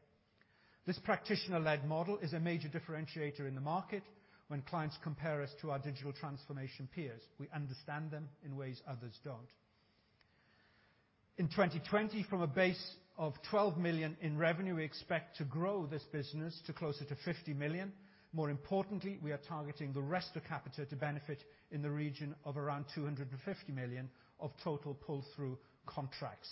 This practitioner-led model is a major differentiator in the market when clients compare us to our digital transformation peers. We understand them in ways others don't. In 2020, from a base of 12 million in revenue, we expect to grow this business to closer to 50 million. More importantly, we are targeting the rest of Capita to benefit in the region of around 250 million of total pull-through contracts.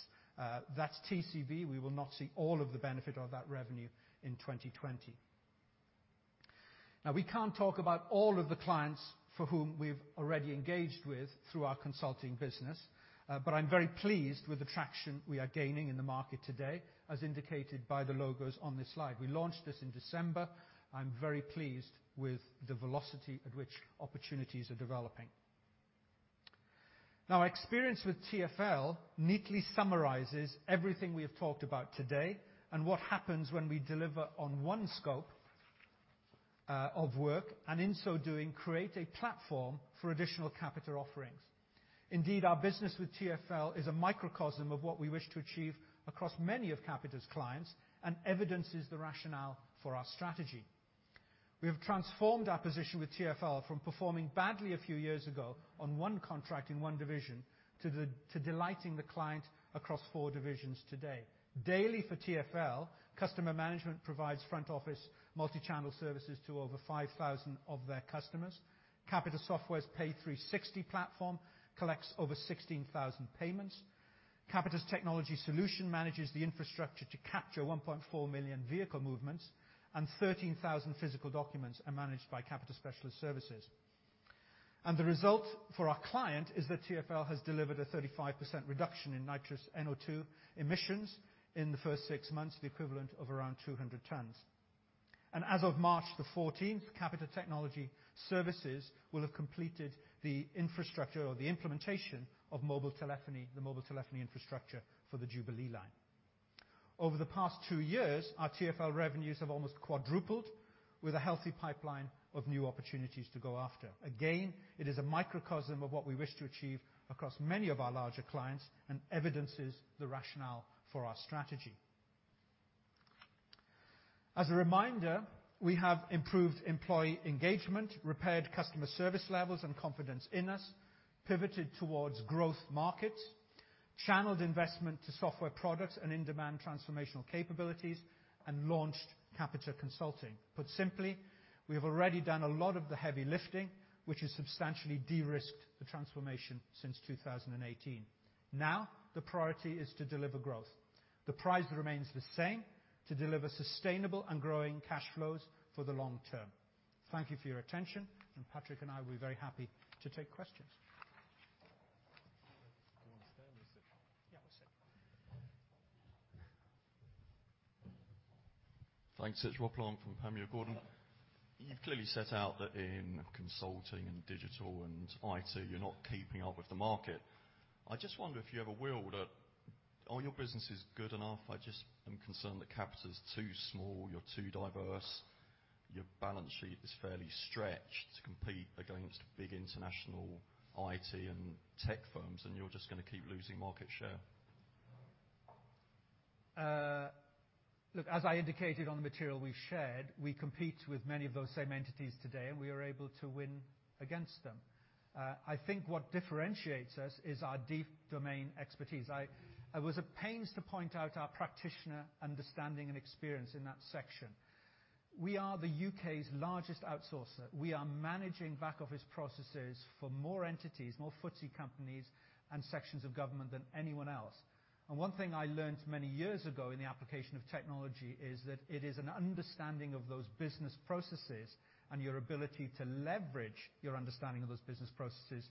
That's TCV. We will not see all of the benefit of that revenue in 2020. Now, we can't talk about all of the clients for whom we've already engaged with through our consulting business, but I'm very pleased with the traction we are gaining in the market today, as indicated by the logos on this slide. We launched this in December. I'm very pleased with the velocity at which opportunities are developing. Now, our experience with TfL neatly summarizes everything we have talked about today and what happens when we deliver on one scope of work, and in so doing, create a platform for additional Capita offerings. Indeed, our business with TfL is a microcosm of what we wish to achieve across many of Capita's clients and evidences the rationale for our strategy. We have transformed our position with TfL from performing badly a few years ago on one contract in one division, to delighting the client across four divisions today. Daily for TfL, customer management provides front office multi-channel services to over 5,000 of their customers. Capita Software's Pay360 platform collects over 16,000 payments. Capita's technology solution manages the infrastructure to capture 1.4 million vehicle movements, and 13,000 physical documents are managed by Capita Specialist Services. The result for our client is that TfL has delivered a 35% reduction in nitrous NO2 emissions in the first six months, the equivalent of around 200 tons. As of March the 14th, Capita Technology Services will have completed the infrastructure or the implementation of the mobile telephony infrastructure for the Jubilee line. Over the past two years, our TfL revenues have almost quadrupled with a healthy pipeline of new opportunities to go after. Again, it is a microcosm of what we wish to achieve across many of our larger clients and evidences the rationale for our strategy. As a reminder, we have improved employee engagement, repaired customer service levels and confidence in us, pivoted towards growth markets, channeled investment to software products and in-demand transformational capabilities, and launched Capita Consulting. Put simply, we have already done a lot of the heavy lifting, which has substantially de-risked the transformation since 2018. Now the priority is to deliver growth. The prize remains the same, to deliver sustainable and growing cash flows for the long term. Thank you for your attention. Patrick and I will be very happy to take questions. Do you want to stay or sit? Yeah, we'll sit. Thanks. It's Rob Long from Panmure Gordon. You've clearly set out that in consulting and digital and IT, you're not keeping up with the market. I just wonder if you have a will. Are your businesses good enough? I just am concerned that Capita's too small, you're too diverse. Your balance sheet is fairly stretched to compete against big international IT and tech firms, and you're just going to keep losing market share. Look, as I indicated on the material we've shared, we compete with many of those same entities today, and we are able to win against them. I think what differentiates us is our deep domain expertise. I was at pains to point out our practitioner understanding and experience in that section. We are the U.K.'s largest outsourcer. We are managing back office processes for more entities, more FTSE companies, and sections of government than anyone else. One thing I learned many years ago in the application of technology is that it is an understanding of those business processes and your ability to leverage your understanding of those business processes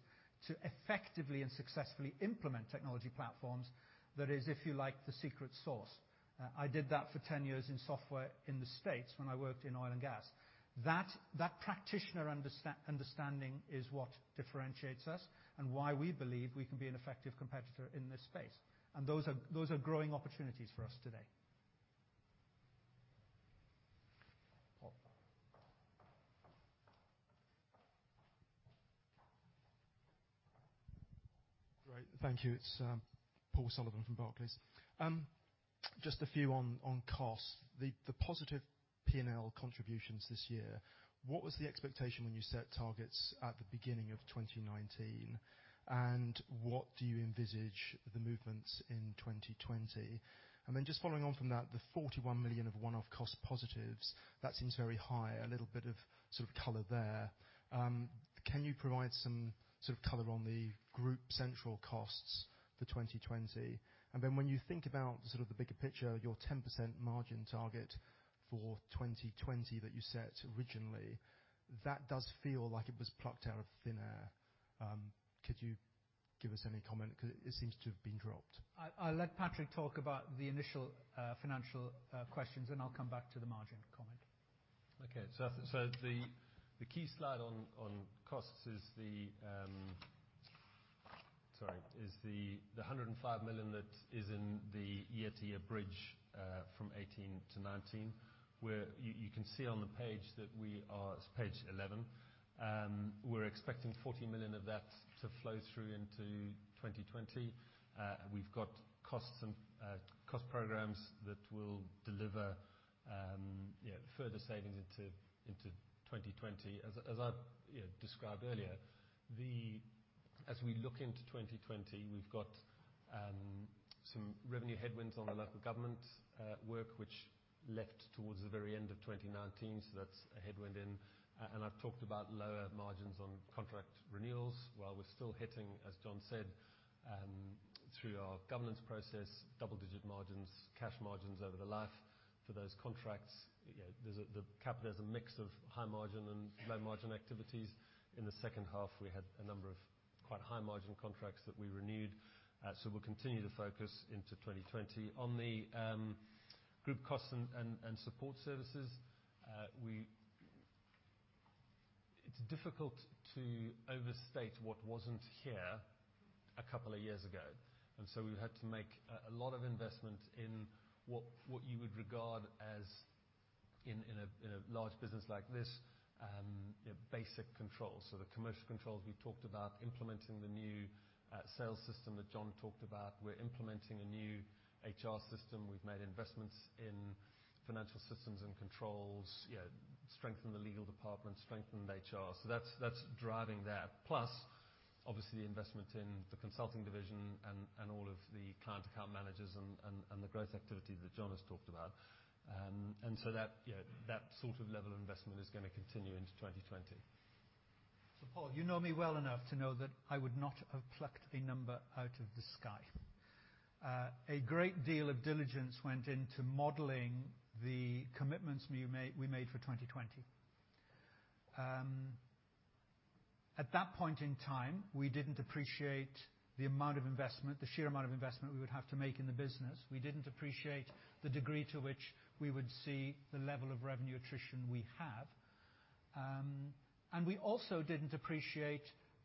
to effectively and successfully implement technology platforms. That is, if you like, the secret sauce. I did that for 10 years in software in the States when I worked in oil and gas. That practitioner understanding is what differentiates us, and why we believe we can be an effective competitor in this space. Those are growing opportunities for us today. Great. Thank you. It's Paul Sullivan from Barclays. Just a few on costs. The positive P&L contributions this year, what was the expectation when you set targets at the beginning of 2019? What do you envisage the movements in 2020? Just following on from that, the 41 million of one-off cost positives, that seems very high, a little bit of sort of color there. Can you provide some sort of color on the group central costs for 2020? When you think about sort of the bigger picture, your 10% margin target for 2020 that you set originally, that does feel like it was plucked out of thin air. Could you give us any comment? Because it seems to have been dropped. I'll let Patrick talk about the initial financial questions, and I'll come back to the margin comment. Okay. The key slide on costs is the Sorry, is the 105 million that is in the year-to-year bridge from 2018 to 2019, where you can see on the page that we are, it's page 11. We're expecting 40 million of that to flow through into 2020. We've got cost programs that will deliver further savings into 2020, as I described earlier. We look into 2020, we've got some revenue headwinds on the local government work, which left towards the very end of 2019, so that's a headwind in. I've talked about lower margins on contract renewals. While we're still hitting, as Jon said, through our governance process, double-digit margins, cash margins over the life for those contracts. Capita is a mix of high margin and low margin activities. In the second half, we had a number of quite high margin contracts that we renewed. We'll continue to focus into 2020. On the group costs and support services, it's difficult to overstate what wasn't here a couple of years ago. We've had to make a lot of investment in what you would regard as in a large business like this, basic controls. The commercial controls we've talked about, implementing the new sales system that Jon talked about. We're implementing a new HR system. We've made investments in financial systems and controls, strengthened the legal department, strengthened HR. That's driving that. Plus, obviously, the investment in the Capita Consulting and all of the client account managers and the growth activity that Jon has talked about. That sort of level of investment is going to continue into 2020. Paul, you know me well enough to know that I would not have plucked a number out of the sky. A great deal of diligence went into modeling the commitments we made for 2020. At that point in time, we didn't appreciate the amount of investment, the sheer amount of investment we would have to make in the business. We didn't appreciate the degree to which we would see the level of revenue attrition we have. We also didn't appreciate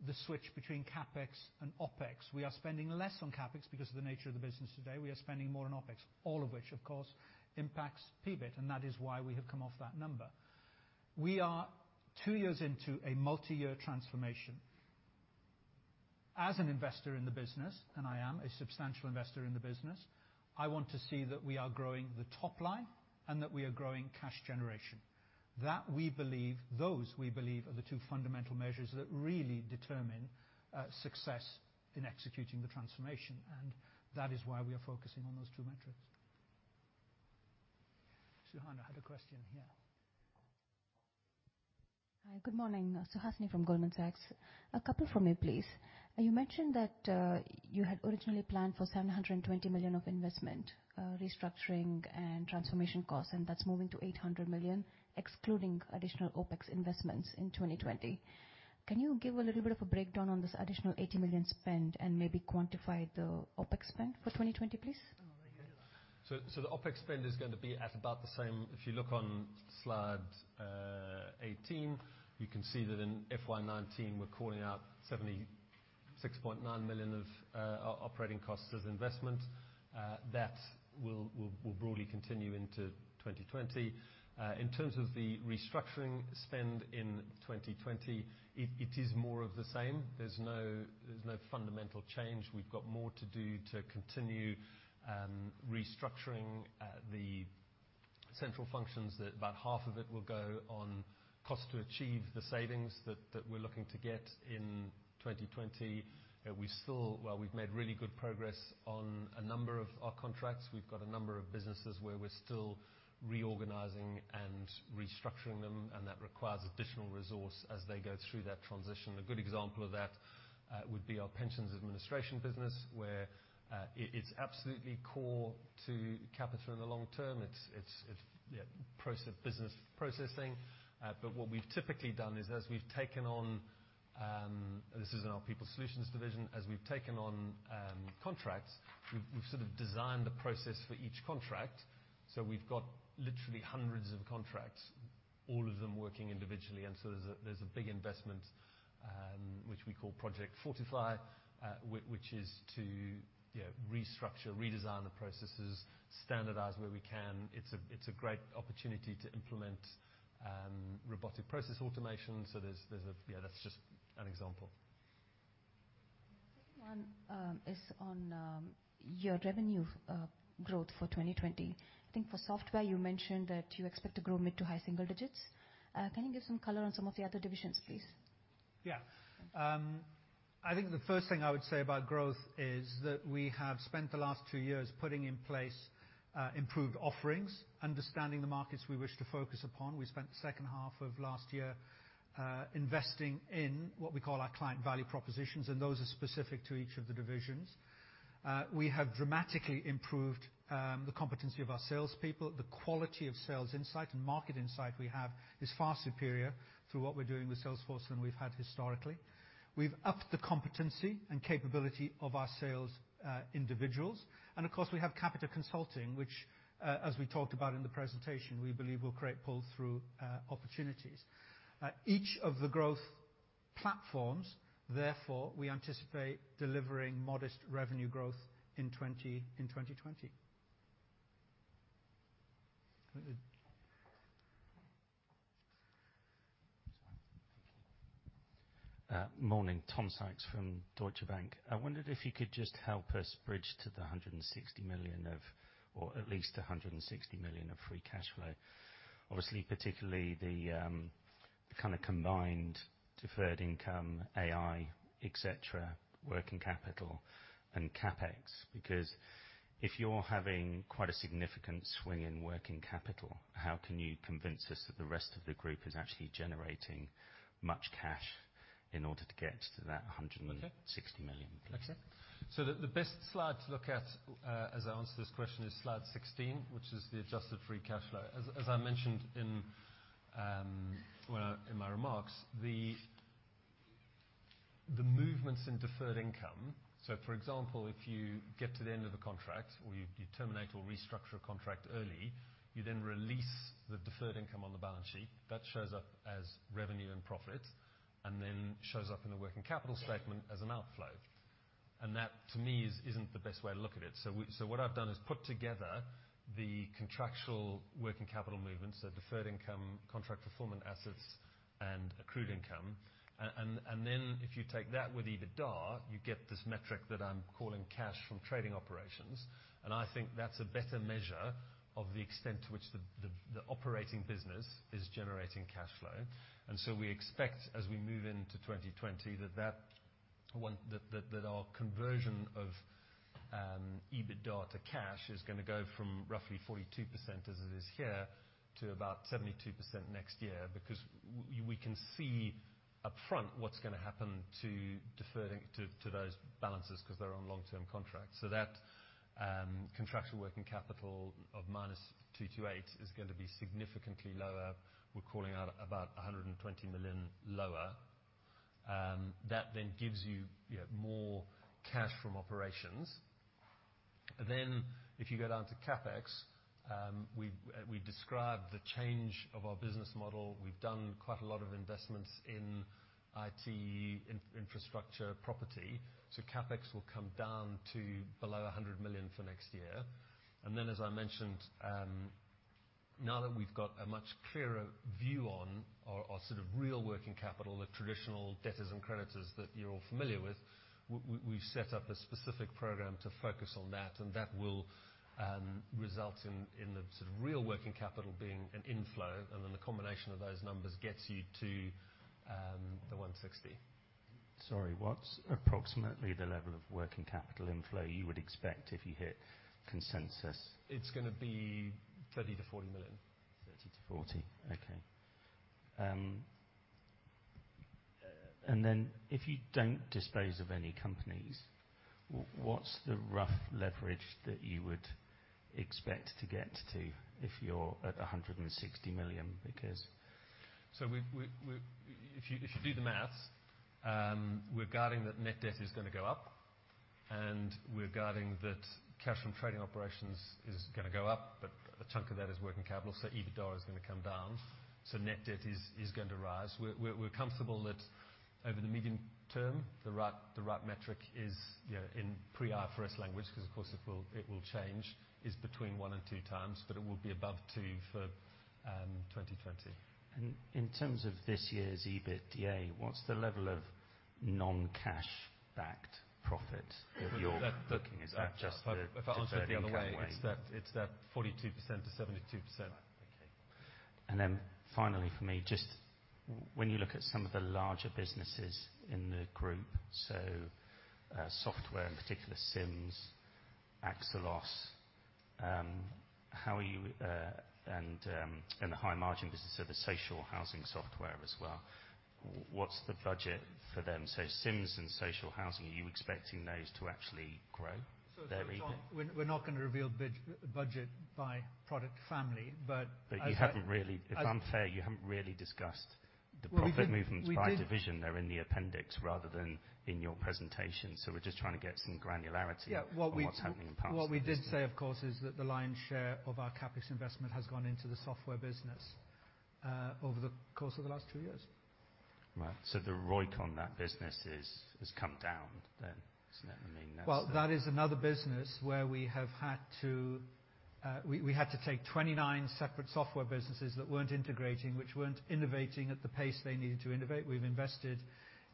the switch between CapEx and OpEx. We are spending less on CapEx because of the nature of the business today. We are spending more on OpEx, all of which, of course, impacts PBIT, and that is why we have come off that number. We are two years into a multi-year transformation. As an investor in the business, and I am a substantial investor in the business, I want to see that we are growing the top line and that we are growing cash generation. That we believe, those we believe are the two fundamental measures that really determine success in executing the transformation, and that is why we are focusing on those two metrics. Suhasini had a question here Hi, good morning. Suhasini from Goldman Sachs. A couple from me, please. You mentioned that you had originally planned for 720 million of investment, restructuring and transformation costs, and that's moving to 800 million, excluding additional OpEx investments in 2020. Can you give a little bit of a breakdown on this additional 80 million spend and maybe quantify the OpEx spend for 2020, please? The OpEx spend is going to be at about the same. If you look on slide 18, you can see that in FY 2019, we're calling out 76.9 million of operating costs as investment. That will broadly continue into 2020. In terms of the restructuring spend in 2020, it is more of the same. There's no fundamental change. We've got more to do to continue restructuring the central functions, that about half of it will go on cost to achieve the savings that we're looking to get in 2020. While we've made really good progress on a number of our contracts, we've got a number of businesses where we're still reorganizing and restructuring them, and that requires additional resource as they go through that transition. A good example of that would be our pensions administration business, where it's absolutely core to Capita in the long term. It's business processing. What we've typically done is, as we've taken on contracts, we've sort of designed the process for each contract. This is in our People Solutions division. We've got literally hundreds of contracts, all of them working individually. There's a big investment, which we call Project Fortify, which is to restructure, redesign the processes, standardize where we can. It's a great opportunity to implement robotic process automation. That's just an example. Second one is on your revenue growth for 2020. I think for Software, you mentioned that you expect to grow mid to high single digits. Can you give some color on some of the other divisions, please? Yeah. I think the first thing I would say about growth is that we have spent the last two years putting in place improved offerings, understanding the markets we wish to focus upon. We spent the second half of last year investing in what we call our client value propositions, and those are specific to each of the divisions. We have dramatically improved the competency of our salespeople. The quality of sales insight and market insight we have is far superior through what we're doing with Salesforce than we've had historically. We've upped the competency and capability of our sales individuals. Of course, we have Capita Consulting, which, as we talked about in the presentation, we believe will create pull-through opportunities. Each of the growth platforms, therefore, we anticipate delivering modest revenue growth in 2020. Morning. Tom Sykes from Deutsche Bank. I wondered if you could just help us bridge to the 160 million, or at least 160 million, of free cash flow. Obviously, particularly the kind of combined deferred income, AI, et cetera, working capital and CapEx. If you're having quite a significant swing in working capital, how can you convince us that the rest of the group is actually generating much cash in order to get to that 160 million? The best slide to look at, as I answer this question, is slide 16, which is the adjusted free cash flow. As I mentioned in my remarks, the movements in deferred income. For example, if you get to the end of a contract or you terminate or restructure a contract early, you then release the deferred income on the balance sheet. That shows up as revenue and profit, and then shows up in the working capital statement as an outflow. That, to me, isn't the best way to look at it. What I've done is put together the contractual working capital movements, so deferred income, contract fulfillment assets, and accrued income. Then if you take that with EBITDA, you get this metric that I'm calling cash from trading operations. I think that's a better measure of the extent to which the operating business is generating cash flow. We expect as we move into 2020 that our conversion of EBITDA to cash is going to go from roughly 42%, as it is here, to about 72% next year. Because we can see upfront what's going to happen to those balances because they're on long-term contracts. That contractual working capital of minus 228 is going to be significantly lower. We're calling out about 120 million lower. That gives you more cash from operations. If you go down to CapEx, we describe the change of our business model. We've done quite a lot of investments in IT infrastructure property. CapEx will come down to below 100 million for next year. As I mentioned, now that we've got a much clearer view on our sort of real working capital, the traditional debtors and creditors that you're all familiar with, we've set up a specific program to focus on that, and that will result in the sort of real working capital being an inflow. The combination of those numbers gets you to-GBP 160. Sorry, what's approximately the level of working capital inflow you would expect if you hit consensus? It's going to be 30 million-40 million. 30-40. Okay. If you don't dispose of any companies, what's the rough leverage that you would expect to get to if you're at 160 million? Because. If you do the math, we're guiding that net debt is going to go up, and we're guiding that cash from trading operations is going to go up, but a chunk of that is working capital. EBITDA is going to come down. Net debt is going to rise. We're comfortable that over the medium term, the right metric is, in pre-IFRS language, because, of course, it will change, is between one and two times, but it will be above two for 2020. In terms of this year's EBITDA, what's the level of non-cash backed profit, if you're looking? Is that just the? If I answer it the other way, it's that 42%-72%. Okay. Finally for me, just when you look at some of the larger businesses in the group, software, in particular SIMS, Axelos, and the high margin business, the social housing software as well, what's the budget for them? SIMS and social housing, are you expecting those to actually grow their EBITDA? We're not going to reveal budget by product family, but as I-. If I'm fair, you haven't really discussed the profit movements by division. We did. They're in the appendix rather than in your presentation. We're just trying to get some granularity. Yeah. What we. on what's happening in parts of the business. What we did say, of course, is that the lion's share of our CapEx investment has gone into the software business, over the course of the last two years. Right. The ROIC on that business has come down then, hasn't it? I mean. Well, that is another business where we had to take 29 separate software businesses that weren't integrating, which weren't innovating at the pace they needed to innovate. We've invested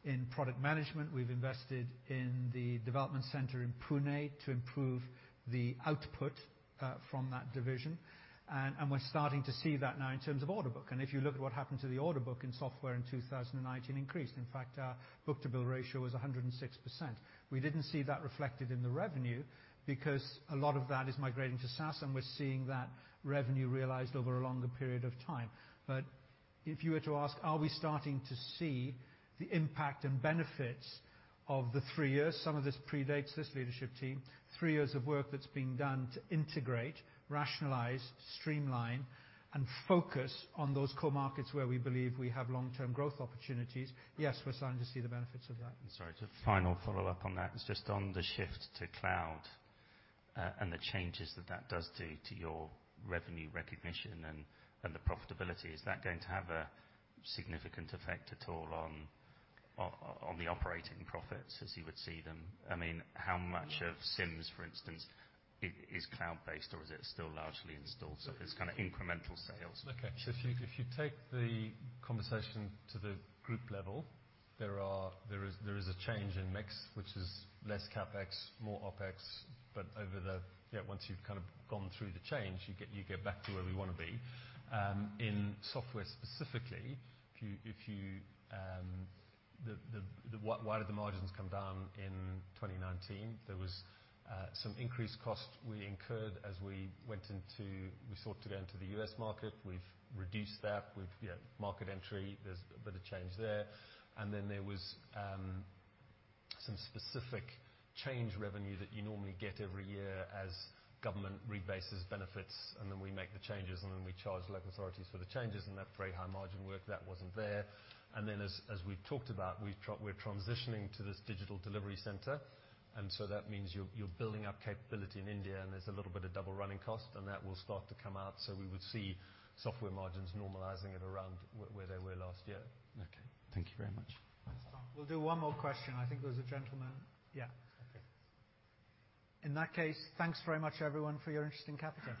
in product management. We've invested in the development center in Pune to improve the output from that division. We're starting to see that now in terms of order book. If you look at what happened to the order book in software in 2019, it increased. In fact, our book-to-bill ratio was 106%. We didn't see that reflected in the revenue because a lot of that is migrating to SaaS, and we're seeing that revenue realized over a longer period of time. If you were to ask, are we starting to see the impact and benefits of the three years, some of this predates this leadership team, three years of work that's been done to integrate, rationalize, streamline, and focus on those core markets where we believe we have long-term growth opportunities, yes, we're starting to see the benefits of that. Sorry, just a final follow-up on that. It's just on the shift to cloud, and the changes that that does do to your revenue recognition and the profitability. Is that going to have a significant effect at all on the operating profits as you would see them? How much of SIMS, for instance, is cloud-based, or is it still largely installed? It's kind of incremental sales. If you take the conversation to the group level, there is a change in mix, which is less CapEx, more OpEx, but once you've kind of gone through the change, you get back to where we want to be. In software specifically, why did the margins come down in 2019? There was some increased cost we incurred as we sought to go into the U.S. market. We've reduced that. We've market entry. There's a bit of change there. There was some specific change revenue that you normally get every year as government rebases benefits, we make the changes, we charge local authorities for the changes, that very high margin work that wasn't there. As we've talked about, we're transitioning to this digital delivery center, and so that means you're building up capability in India, and there's a little bit of double running cost, and that will start to come out, so we would see software margins normalizing at around where they were last year. Okay. Thank you very much. Thanks, Tom. We'll do one more question. I think there was a gentleman. Yeah. In that case, thanks very much, everyone, for your interest in Capita.